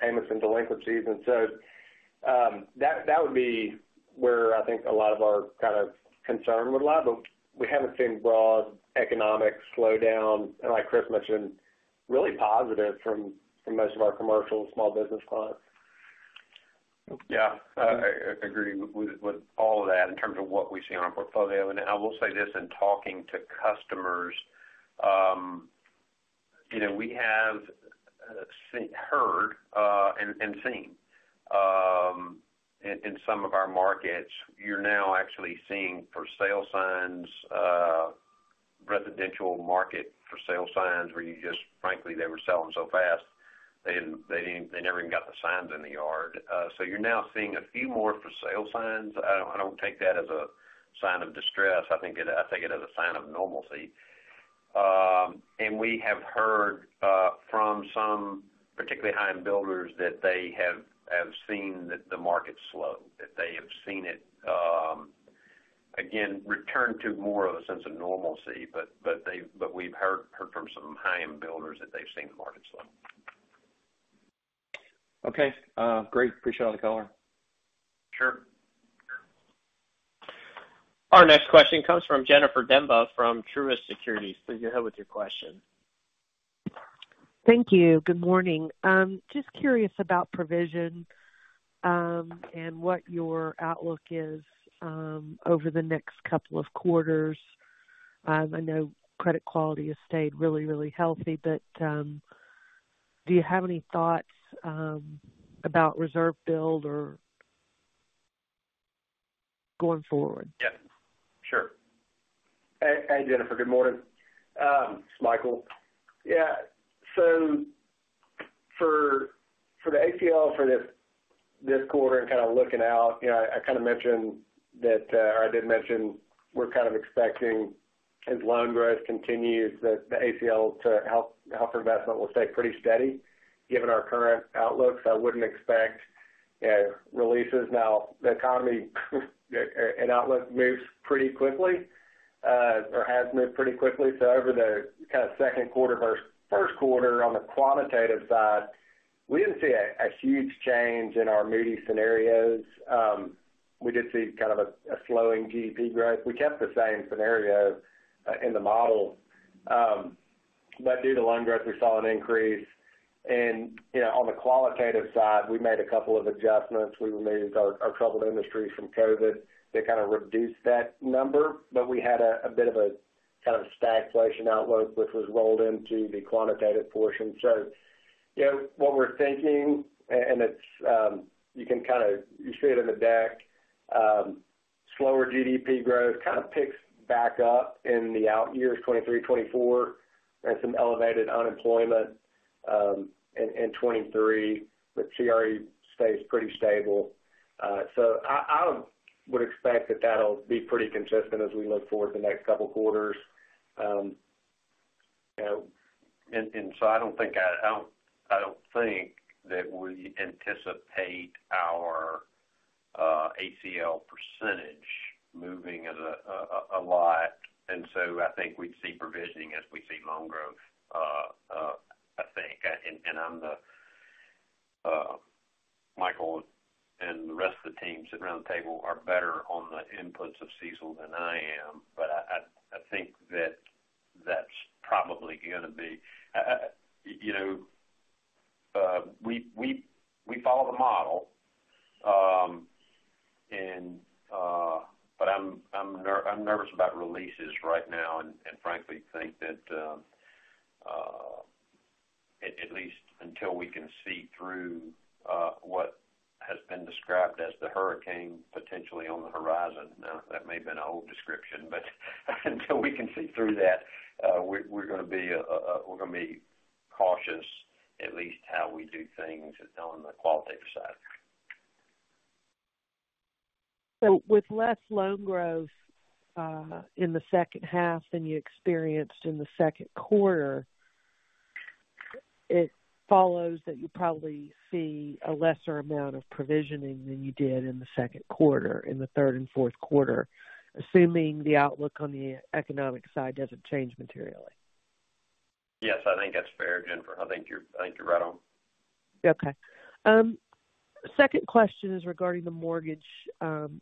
payments and delinquencies. That would be where I think a lot of our kind of concern would lie, but we haven't seen broad economic slowdown. Like Chris mentioned, really positive from most of our commercial and small business clients. Yeah. I agree with all of that in terms of what we see on our portfolio. I will say this in talking to customers, you know, we have heard and seen in some of our markets. We're now actually seeing for sale signs. Residential market for sale signs. Frankly, they were selling so fast, they didn't they never even got the signs in the yard. You're now seeing a few more for sale signs. I don't take that as a sign of distress. I think it, I take it as a sign of normalcy. We have heard from some particularly high-end builders that they have seen the market slow, that they have seen it again return to more of a sense of normalcy. But we've heard from some high-end builders that they've seen the market slow. Okay. Great. Appreciate all the color. Sure. Our next question comes from Jennifer Demba from Truist Securities. Please go ahead with your question. Thank you. Good morning. Just curious about provision, and what your outlook is, over the next couple of quarters. I know credit quality has stayed really healthy, but, do you have any thoughts, about reserve build or going forward? Yeah, sure. Hey, Jennifer. Good morning. It's Michael. Yeah. So for the ACL for this quarter and kinda looking out, you know, I kinda mentioned that or I did mention we're kind of expecting as loan growth continues, that the ACL to held investment will stay pretty steady. Given our current outlooks, I wouldn't expect, you know, releases. Now, the economy and outlook moves pretty quickly or has moved pretty quickly. So over the kinda second quarter versus first quarter on the quantitative side, we didn't see a huge change in our Moody's scenarios. We did see kind of a slowing GDP growth. We kept the same scenarios in the model. But due to loan growth, we saw an increase. You know, on the qualitative side, we made a couple of adjustments. We removed our troubled industry from COVID that kinda reduced that number, but we had a bit of a kind of stagflation outlook, which was rolled into the quantitative portion. You know, what we're thinking, and it's you see it in the deck, slower GDP growth kinda picks back up in the out years, 2023, 2024, and some elevated unemployment in 2023, but CRE stays pretty stable. I would expect that that'll be pretty consistent as we look forward the next couple quarters. I don't think that we anticipate our ACL percentage moving as a lot. I think we'd see provisioning as we see loan growth, I think Michael, and the rest of the team sitting around the table are better on the inputs of CECL than I am. I think that's probably gonna be you know, we follow the model. I'm nervous about releases right now and frankly think that at least until we can see through what has been described as the hurricane potentially on the horizon. Now, that may have been an old description, but until we can see through that, we're gonna be cautious, at least how we do things on the qualitative side. With less loan growth in the second half than you experienced in the second quarter, it follows that you probably see a lesser amount of provisioning than you did in the second quarter, in the third and fourth quarter, assuming the outlook on the economic side doesn't change materially. Yes, I think that's fair, Jennifer. I think you're right on. Okay. Second question is regarding the mortgage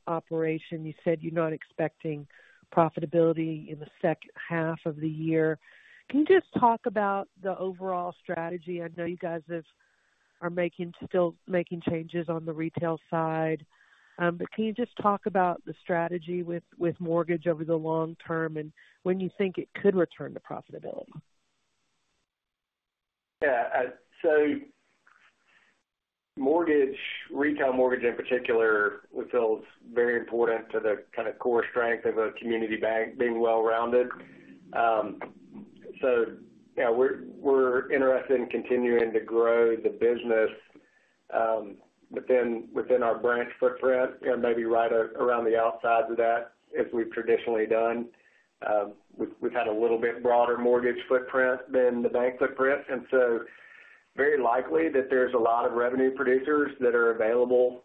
operation. You said you're not expecting profitability in the second half of the year. Can you just talk about the overall strategy? I know you guys are still making changes on the retail side. Can you just talk about the strategy with mortgage over the long term and when you think it could return to profitability? Mortgage, retail mortgage in particular, we feel is very important to the kinda core strength of a community bank being well-rounded. You know, we're interested in continuing to grow the business within our branch footprint and maybe right around the outsides of that, as we've traditionally done. We've had a little bit broader mortgage footprint than the bank footprint, and very likely that there's a lot of revenue producers that are available,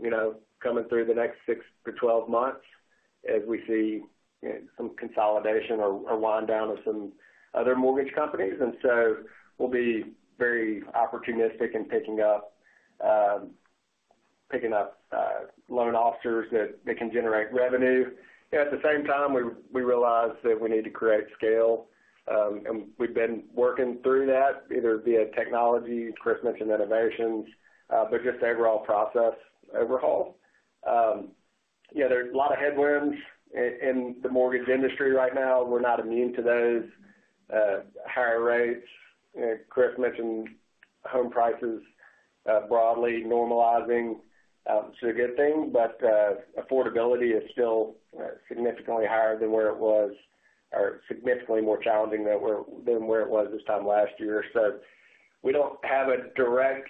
you know, coming through the next six to 12 months as we see, you know, some consolidation or wind down of some other mortgage companies. We'll be very opportunistic in picking up loan officers that they can generate revenue. You know, at the same time, we realize that we need to create scale. We've been working through that either via technology. Chris mentioned innovations, but just overall process overhaul. You know, there's a lot of headwinds in the mortgage industry right now. We're not immune to those. Higher rates. Chris mentioned home prices broadly normalizing. It's a good thing, but affordability is still significantly higher than where it was or significantly more challenging than where it was this time last year. We don't have a direct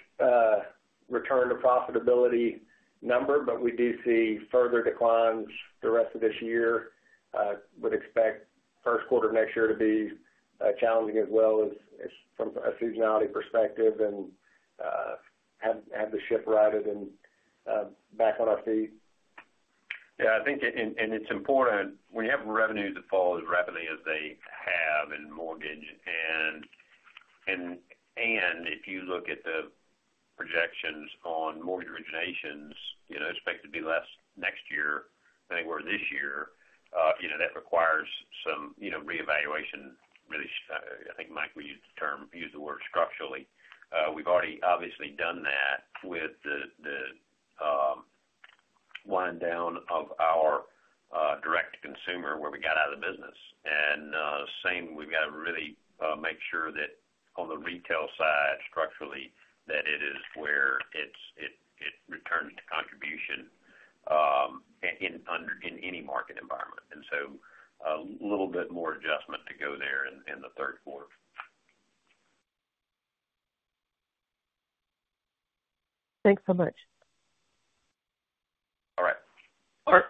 return to profitability number, but we do see further declines the rest of this year. Would expect first quarter next year to be challenging as well as from a seasonality perspective and have the ship righted and back on our feet. It's important when you have revenues that fall as rapidly as they have in mortgage. If you look at the projections on mortgage originations, you know, expect to be less next year than they were this year, you know, that requires some, you know, reevaluation, really. I think Mike, we used the term structurally. We've already obviously done that with the wind down of our direct-to-consumer, where we got out of the business. Same, we've got to really make sure that on the retail side structurally that it is where it's, it returns to contribution in any market environment. A little bit more adjustment to go there in the third quarter. Thanks so much. All right.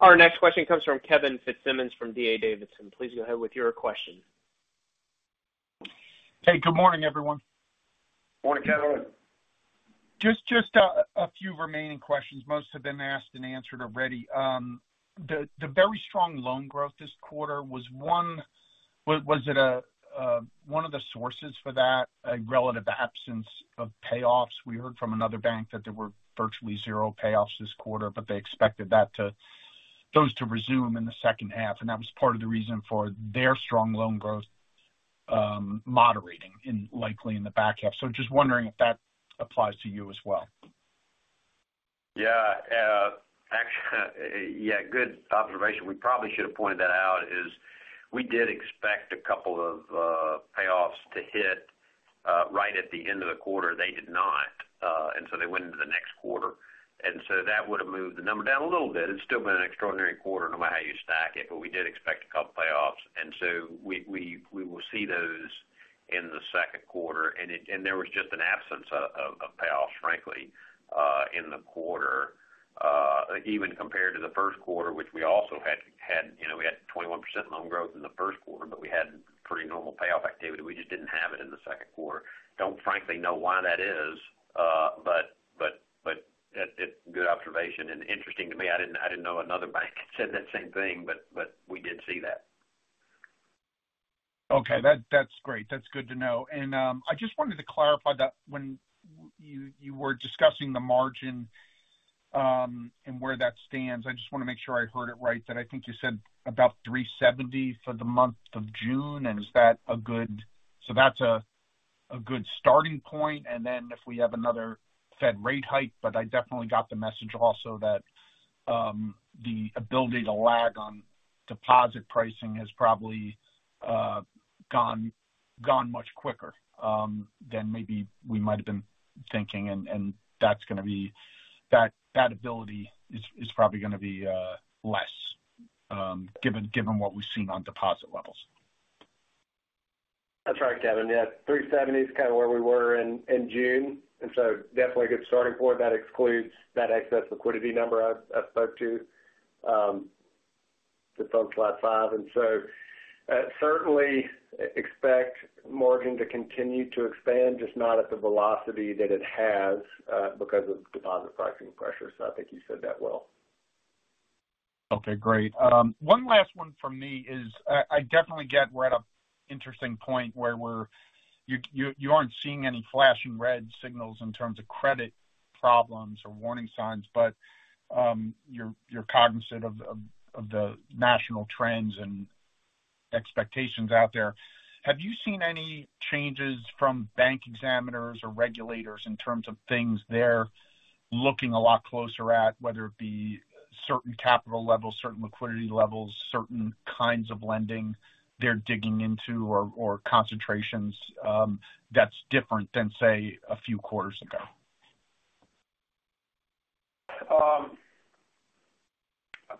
Our next question comes from Kevin Fitzsimmons from DA Davidson. Please go ahead with your question. Hey, good morning, everyone. Morning, Kevin. Just a few remaining questions. Most have been asked and answered already. The very strong loan growth this quarter, was it one of the sources for that, a relative absence of payoffs? We heard from another bank that there were virtually zero payoffs this quarter, but they expected those to resume in the second half, and that was part of the reason for their strong loan growth moderating likely in the back half. Just wondering if that applies to you as well. Yeah. Actually, yeah, good observation. We probably should have pointed that out. We did expect a couple of payoffs to hit right at the end of the quarter. They did not, and so they went into the next quarter. That would have moved the number down a little bit. It's still been an extraordinary quarter no matter how you stack it, but we did expect a couple payoffs. We will see those in the second quarter. There was just an absence of payoffs, frankly, in the quarter, even compared to the first quarter, which we also had, you know, we had 21% loan growth in the first quarter, but we had pretty normal payoff activity. We just didn't have it in the second quarter. Don't frankly know why that is, but good observation and interesting to me. I didn't know another bank said that same thing, but we did see that. Okay. That's great. That's good to know. I just wanted to clarify that when you were discussing the margin, and where that stands, I just wanna make sure I heard it right, that I think you said about 3.70% for the month of June. Is that a good starting point, and then if we have another Fed rate hike? I definitely got the message also that the ability to lag on deposit pricing has probably gone much quicker than maybe we might have been thinking. That ability is probably gonna be less, given what we've seen on deposit levels. That's right, Kevin. Yeah. 3.70% is kind of where we were in June, and so definitely a good starting point. That excludes that excess liquidity number I spoke to from flat 5%. Certainly expect margin to continue to expand, just not at the velocity that it has because of deposit pricing pressure. I think you said that well. Okay, great. One last one from me is I definitely get we're at an interesting point where you aren't seeing any flashing red signals in terms of credit problems or warning signs, but you're cognizant of the national trends and expectations out there. Have you seen any changes from bank examiners or regulators in terms of things they're looking a lot closer at, whether it be certain capital levels, certain liquidity levels, certain kinds of lending they're digging into or concentrations, that's different than, say, a few quarters ago?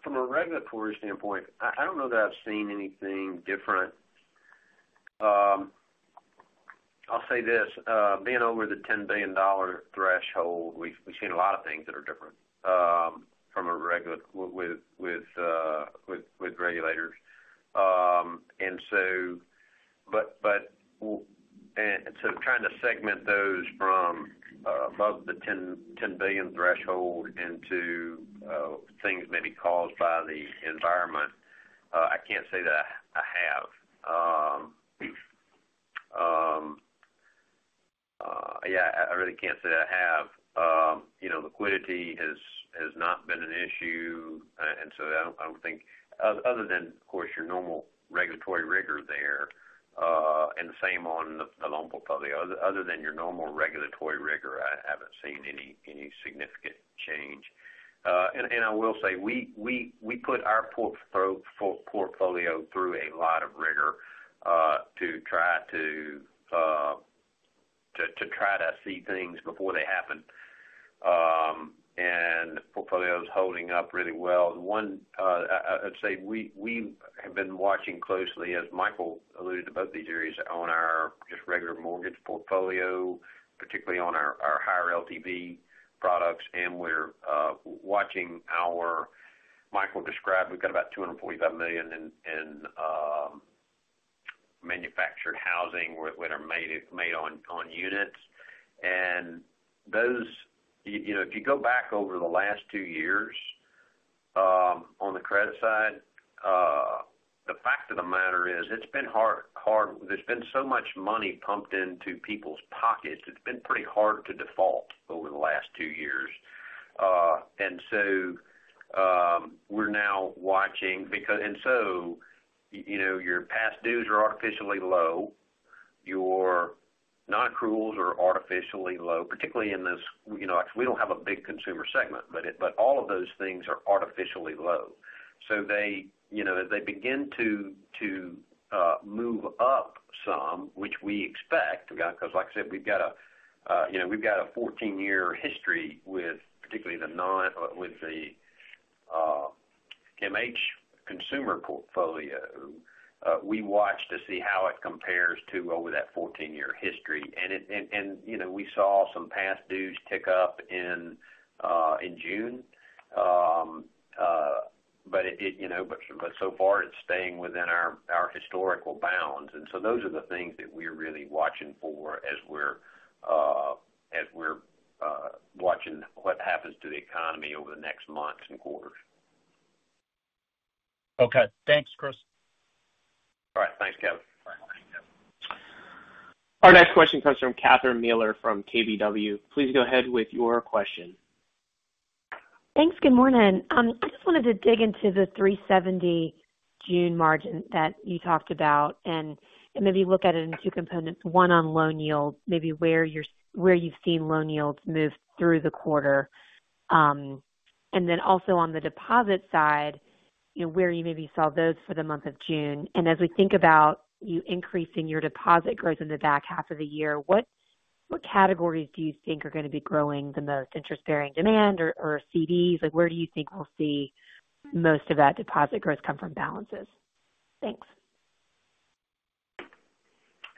From a regulatory standpoint, I don't know that I've seen anything different. I'll say this, being over the $10 billion threshold, we've seen a lot of things that are different with regulators. Trying to segment those from above the $10 billion threshold into things maybe caused by the environment, I can't say that I have. Yeah, I really can't say that I have. You know, liquidity has not been an issue. I would think other than, of course, your normal regulatory rigor there, and the same on the loan portfolio. Other than your normal regulatory rigor, I haven't seen any significant change. I will say we put our portfolio through a lot of rigor to try to see things before they happen. The portfolio is holding up really well. I'd say we have been watching closely, as Michael alluded about these areas on our just regular mortgage portfolio, particularly on our higher LTV products. We're watching, as Michael described, we've got about $245 million in manufactured housing with our made-on units. Those, you know, if you go back over the last two years, on the credit side, the fact of the matter is it's been hard. There's been so much money pumped into people's pockets. It's been pretty hard to default over the last two years. We're now watching. You know, your past dues are artificially low. Your non-accruals are artificially low, particularly in this, you know, we don't have a big consumer segment, but all of those things are artificially low. They, you know, as they begin to move up some, which we expect, because like I said, we've got a 14-year history with the MH consumer portfolio. We watch to see how it compares to over that 14-year history. You know, we saw some past dues tick up in June, but so far it's staying within our historical bounds. Those are the things that we're really watching for as we're watching what happens to the economy over the next months and quarters. Okay, thanks, Chris. All right. Thanks, Kevin. Our next question comes from Catherine Mealor from KBW. Please go ahead with your question. Thanks. Good morning. I just wanted to dig into the 3.70% June margin that you talked about and maybe look at it in two components, one on loan yields, maybe where you've seen loan yields move through the quarter. And then also on the deposit side, you know, where you maybe saw those for the month of June. As we think about you increasing your deposit growth in the back half of the year, what categories do you think are gonna be growing the most, interest-bearing demand or CDs? Like, where do you think we'll see most of that deposit growth come from balances? Thanks.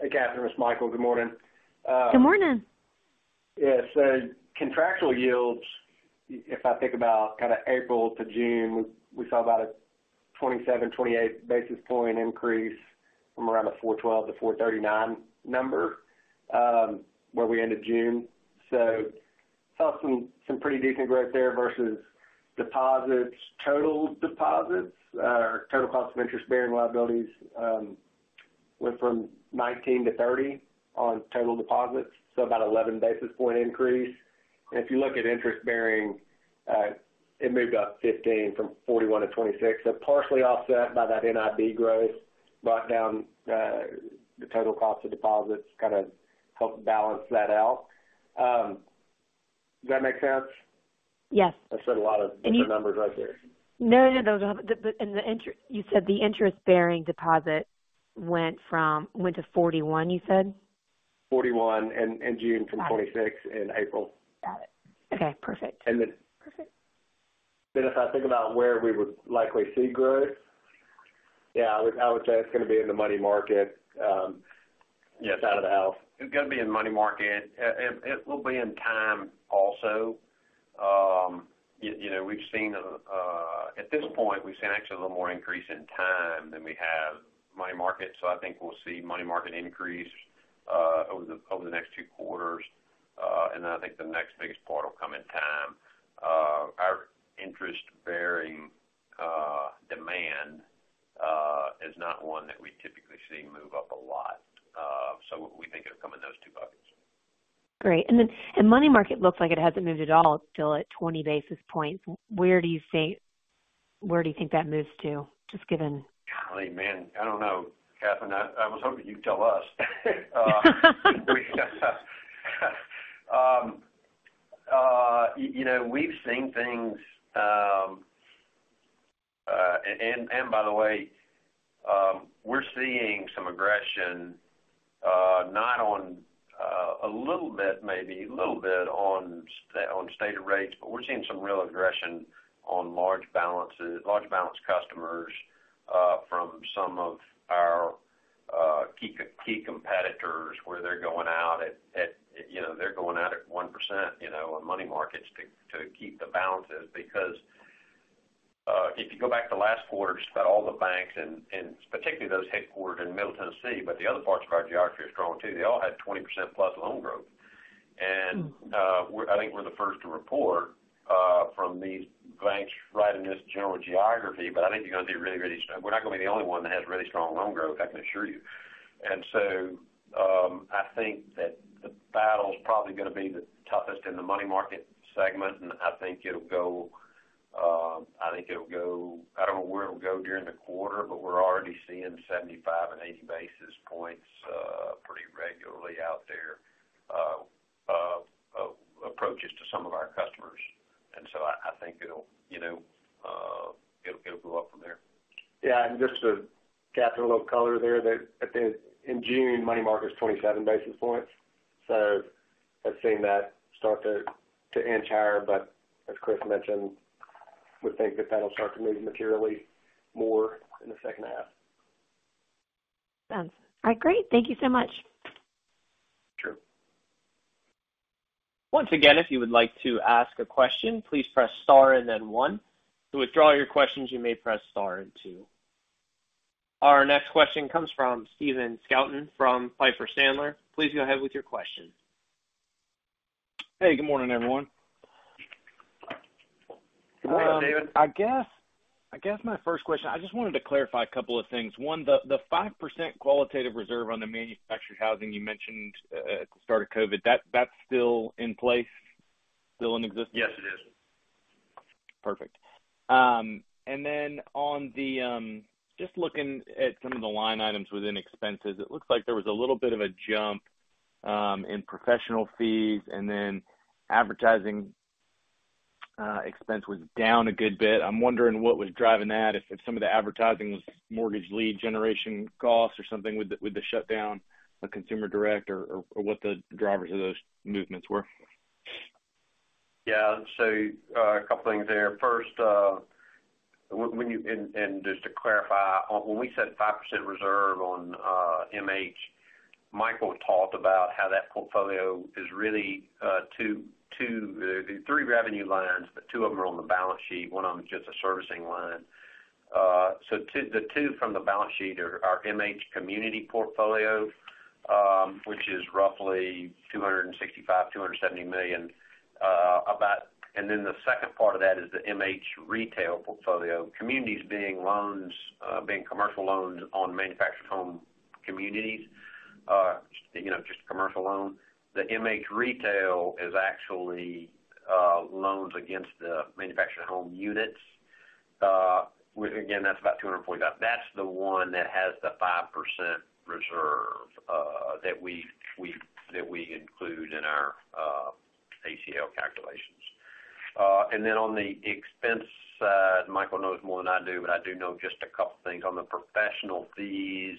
Hey, Catherine, it's Michael. Good morning. Good morning. Yes. Contractual yields, if I think about kind of April to June, we saw about a 27-28 basis point increase from around a 4.12 to 4.39 number, where we ended June. Saw some pretty decent growth there versus deposits. Total deposits, total cost of interest bearing liabilities, went from 19-30 on total deposits, so about 11 basis point increase. If you look at interest bearing, it moved up 15 from 41-26. Partially offset by that NIB growth brought down, the total cost of deposits, kind of helped balance that out. Does that make sense? Yes. I said a lot of different numbers right there. No, no, those are. You said the interest-bearing deposit went from to 41, you said? 41 in June from 26 in April. Got it. Okay, perfect. And then- Perfect. If I think about where we would likely see growth? Yeah, I would say it's gonna be in the money market, yes, out of the house. It's gonna be in money market. It will be in time also. You know, at this point, we've seen actually a little more increase in time than we have money market. So I think we'll see money market increase over the next two quarters. I think the next biggest part will come in time. Our interest-bearing demand is not one that we typically see move up a lot. We think it'll come in those two buckets. Great. Money market looks like it hasn't moved at all, still at 20 basis points. Where do you think that moves to, just given- Golly, man, I don't know, Catherine. I was hoping you'd tell us. You know, we've seen things. By the way, we're seeing some aggression a little bit, maybe a little bit on stated rates, but we're seeing some real aggression on large balances, large balance customers from some of our key competitors, where they're going out at, you know, 1% on money markets to keep the balances. If you go back to last quarter, just about all the banks and particularly those headquartered in Middle Tennessee, but the other parts of our geography are strong too. They all had 20% plus loan growth. I think we're the first to report from these banks right in this general geography. I think you're gonna see really strong. We're not gonna be the only one that has really strong loan growth, I can assure you. I think that the battle's probably gonna be the toughest in the money market segment. I think it'll go. I don't know where it'll go during the quarter, but we're already seeing 75 and 80 basis points pretty regularly out there, approaches to some of our customers. I think it'll go up from there. Yeah. Just to capture a little color there that in June, money market's 27 basis points. I've seen that start to inch higher, but as Chris mentioned, we think that that'll start to move materially more in the second half. Sounds. All right, great. Thank you so much. Sure. Once again, if you would like to ask a question, please press star and then one. To withdraw your questions, you may press star and two. Our next question comes from Stephen Scouten from Piper Sandler. Please go ahead with your question. Hey, good morning, everyone. Good morning, Stephen. I guess my first question, I just wanted to clarify a couple of things. One, the 5% qualitative reserve on the manufactured housing you mentioned at the start of COVID, that's still in place, still in existence? Yes, it is. Perfect. Just looking at some of the line items within expenses, it looks like there was a little bit of a jump in professional fees, and then advertising expense was down a good bit. I'm wondering what was driving that. If some of the advertising was mortgage lead generation costs or something with the shutdown of consumer direct or what the drivers of those movements were. Yeah. A couple things there. First, just to clarify, when we set 5% reserve on MH, Michael talked about how that portfolio is really three revenue lines, but two of them are on the balance sheet, one of them is just a servicing line. The two from the balance sheet are MH community portfolio, which is roughly $265-$270 million, about. The second part of that is the MH retail portfolio. Communities being loans, commercial loans on manufactured home communities, just commercial loans. The MH retail is actually loans against the manufactured home units. Again, that's about $245 million. That's the one that has the 5% reserve that we include in our ACL calculations. On the expense side, Michael knows more than I do, but I do know just a couple things. On the professional fees,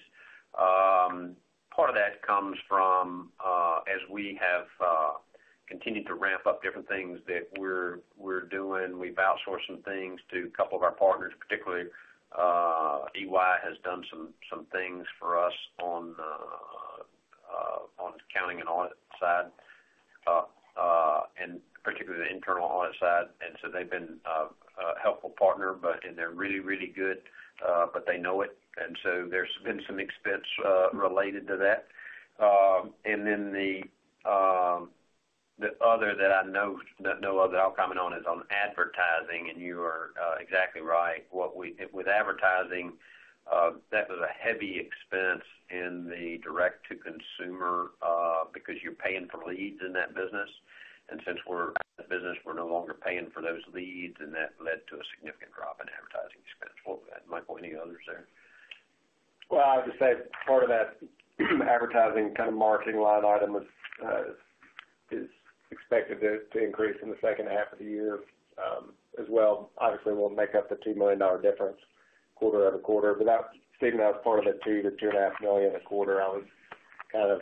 part of that comes from, as we have continued to ramp up different things that we're doing. We've outsourced some things to a couple of our partners, particularly, EY has done some things for us on the accounting and audit side, and particularly the internal audit side. They've been a helpful partner, but and they're really good, but they know it. There's been some expense related to that. The other that I know of that I'll comment on is on advertising, and you are exactly right. With advertising, that was a heavy expense in the direct to consumer, because you're paying for leads in that business. Since we're out of business, we're no longer paying for those leads, and that led to a significant drop in advertising expense for that. Michael, any others there? Well, I would just say part of that advertising kind of marketing line item is expected to increase in the second half of the year, as well. Obviously, we'll make up the $2 million difference quarter-over-quarter, but that's, Stephen, that was part of the $2-$2.5 million a quarter I was kind of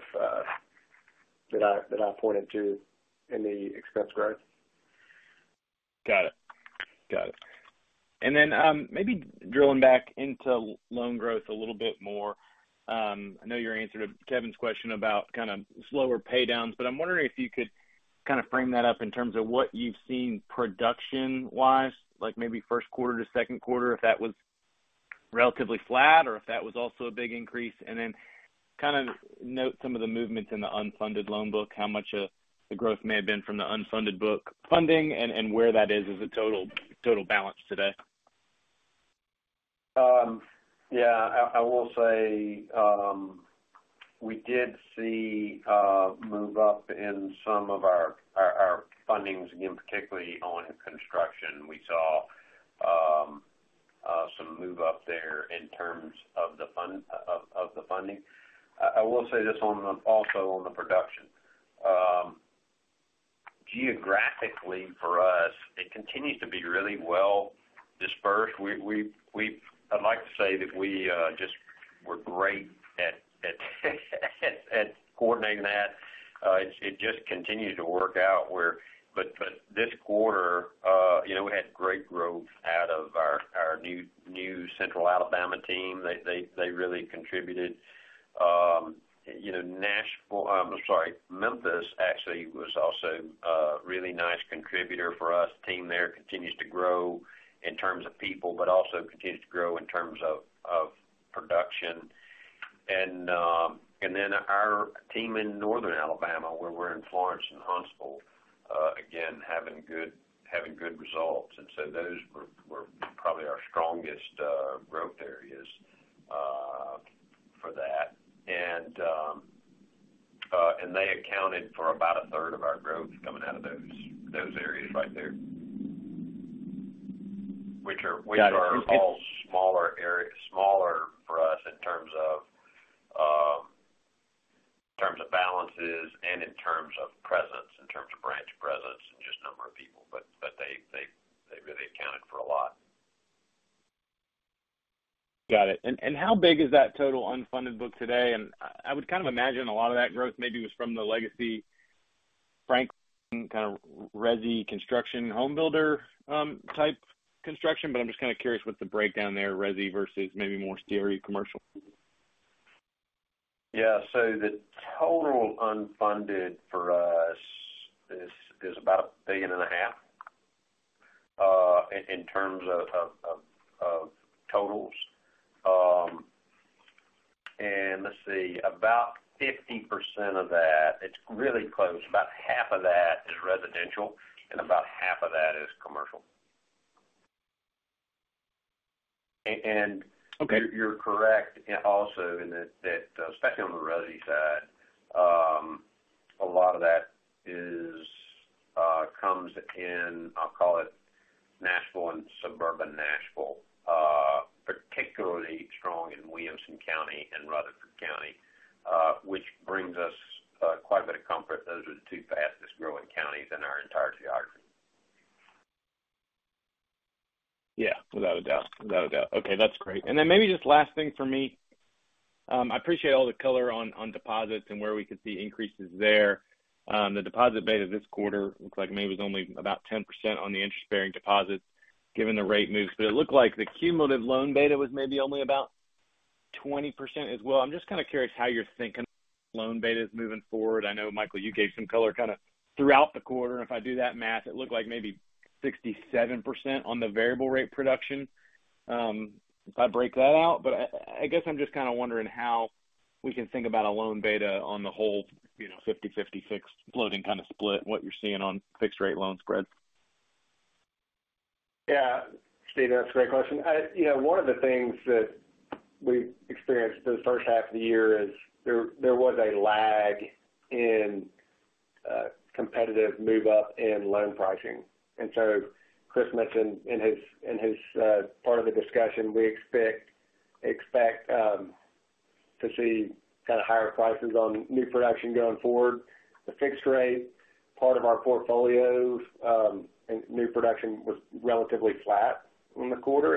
that I pointed to in the expense growth. Got it. Maybe drilling back into loan growth a little bit more. I know you answered Kevin's question about kind of slower pay downs, but I'm wondering if you could kind of frame that up in terms of what you've seen production-wise, like maybe first quarter to second quarter, if that was relatively flat or if that was also a big increase. Kind of note some of the movements in the unfunded loan book, how much of the growth may have been from the unfunded book funding and where that is as a total balance today. I will say, we did see a move up in some of our fundings, again, particularly on construction. We saw some move up there in terms of the funding. I will say this, also on the production. Geographically for us, it continues to be really well dispersed. I'd like to say that we're just great at coordinating that. It just continues to work out. This quarter, you know, we had great growth out of our new Central Alabama team. They really contributed. You know, Nashville, sorry, Memphis actually was also a really nice contributor for us. team there continues to grow in terms of people, but also continues to grow in terms of production. Our team in Northern Alabama, where we're in Florence and Huntsville, again having good results. Those were probably our strongest growth areas, and they accounted for about a third of our growth coming out of those areas right there. Which are all smaller for us in terms of balances and in terms of presence, in terms of branch presence and just number of people. They really accounted for a lot. Got it. How big is that total unfunded book today? I would kind of imagine a lot of that growth maybe was from the legacy Franklin kind of resi construction home builder type construction. I'm just kind of curious what the breakdown there, resi versus maybe more tertiary commercial. The total unfunded for us is about $1.5 billion in terms of totals. Let's see, about 50% of that, it's really close. About half of that is residential and about half of that is commercial. Okay. You're correct also in that especially on the resi side, a lot of that comes in, I'll call it Nashville and suburban Nashville, particularly strong in Williamson County and Rutherford County, which brings us quite a bit of comfort. Those are the two fastest growing counties in our entire geography. Yeah, without a doubt. Okay, that's great. Maybe just the last thing for me. I appreciate all the color on deposits and where we could see increases there. The deposit beta this quarter looks like maybe it was only about 10% on the interest-bearing deposits given the rate moves. It looked like the cumulative loan beta was maybe only about 20% as well. I'm just kind of curious how you're thinking loan beta is moving forward. I know, Michael, you gave some color kind of throughout the quarter, and if I do that math, it looked like maybe 67% on the variable rate production, if I break that out. I guess I'm just kind of wondering how we can think about a loan beta on the whole, you know, 50/56 floating kind of split, what you're seeing on fixed rate loan spreads. Yeah. Stephen, that's a great question. You know, one of the things that we've experienced the first half of the year is there was a lag in competitive move up in loan pricing. Chris mentioned in his part of the discussion we expect to see kind of higher prices on new production going forward. The fixed rate part of our portfolios and new production was relatively flat in the quarter.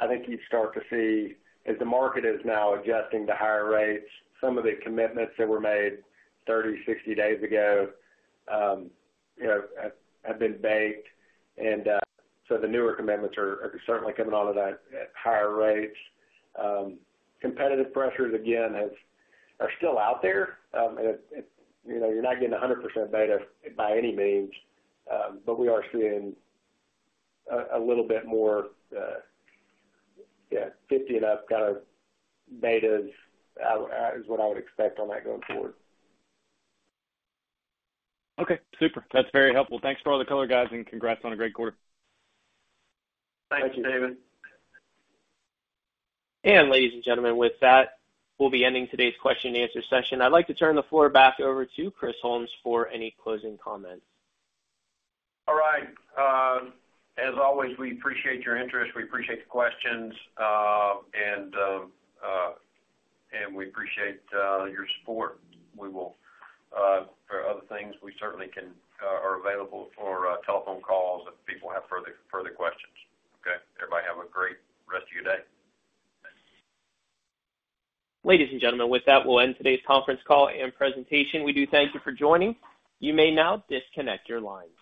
I think you start to see as the market is now adjusting to higher rates, some of the commitments that were made 30, 60 days ago, you know, have been baked. The newer commitments are certainly coming out of that at higher rates. Competitive pressures again are still out there. you know, you're not getting 100% beta by any means. We are seeing a little bit more, 50 and up kind of betas out is what I would expect on that going forward. Okay. Super. That's very helpful. Thanks for all the color guys, and congrats on a great quarter. Thank you, Stephen. Ladies and gentlemen, with that, we'll be ending today's question-and-answer session. I'd like to turn the floor back over to Chris Holmes for any closing comments. All right. As always, we appreciate your interest. We appreciate the questions. We appreciate your support. For other things, we certainly are available for telephone calls if people have further questions. Okay. Everybody have a great rest of your day. Thanks. Ladies and gentlemen, with that, we'll end today's conference call and presentation. We do thank you for joining. You may now disconnect your lines.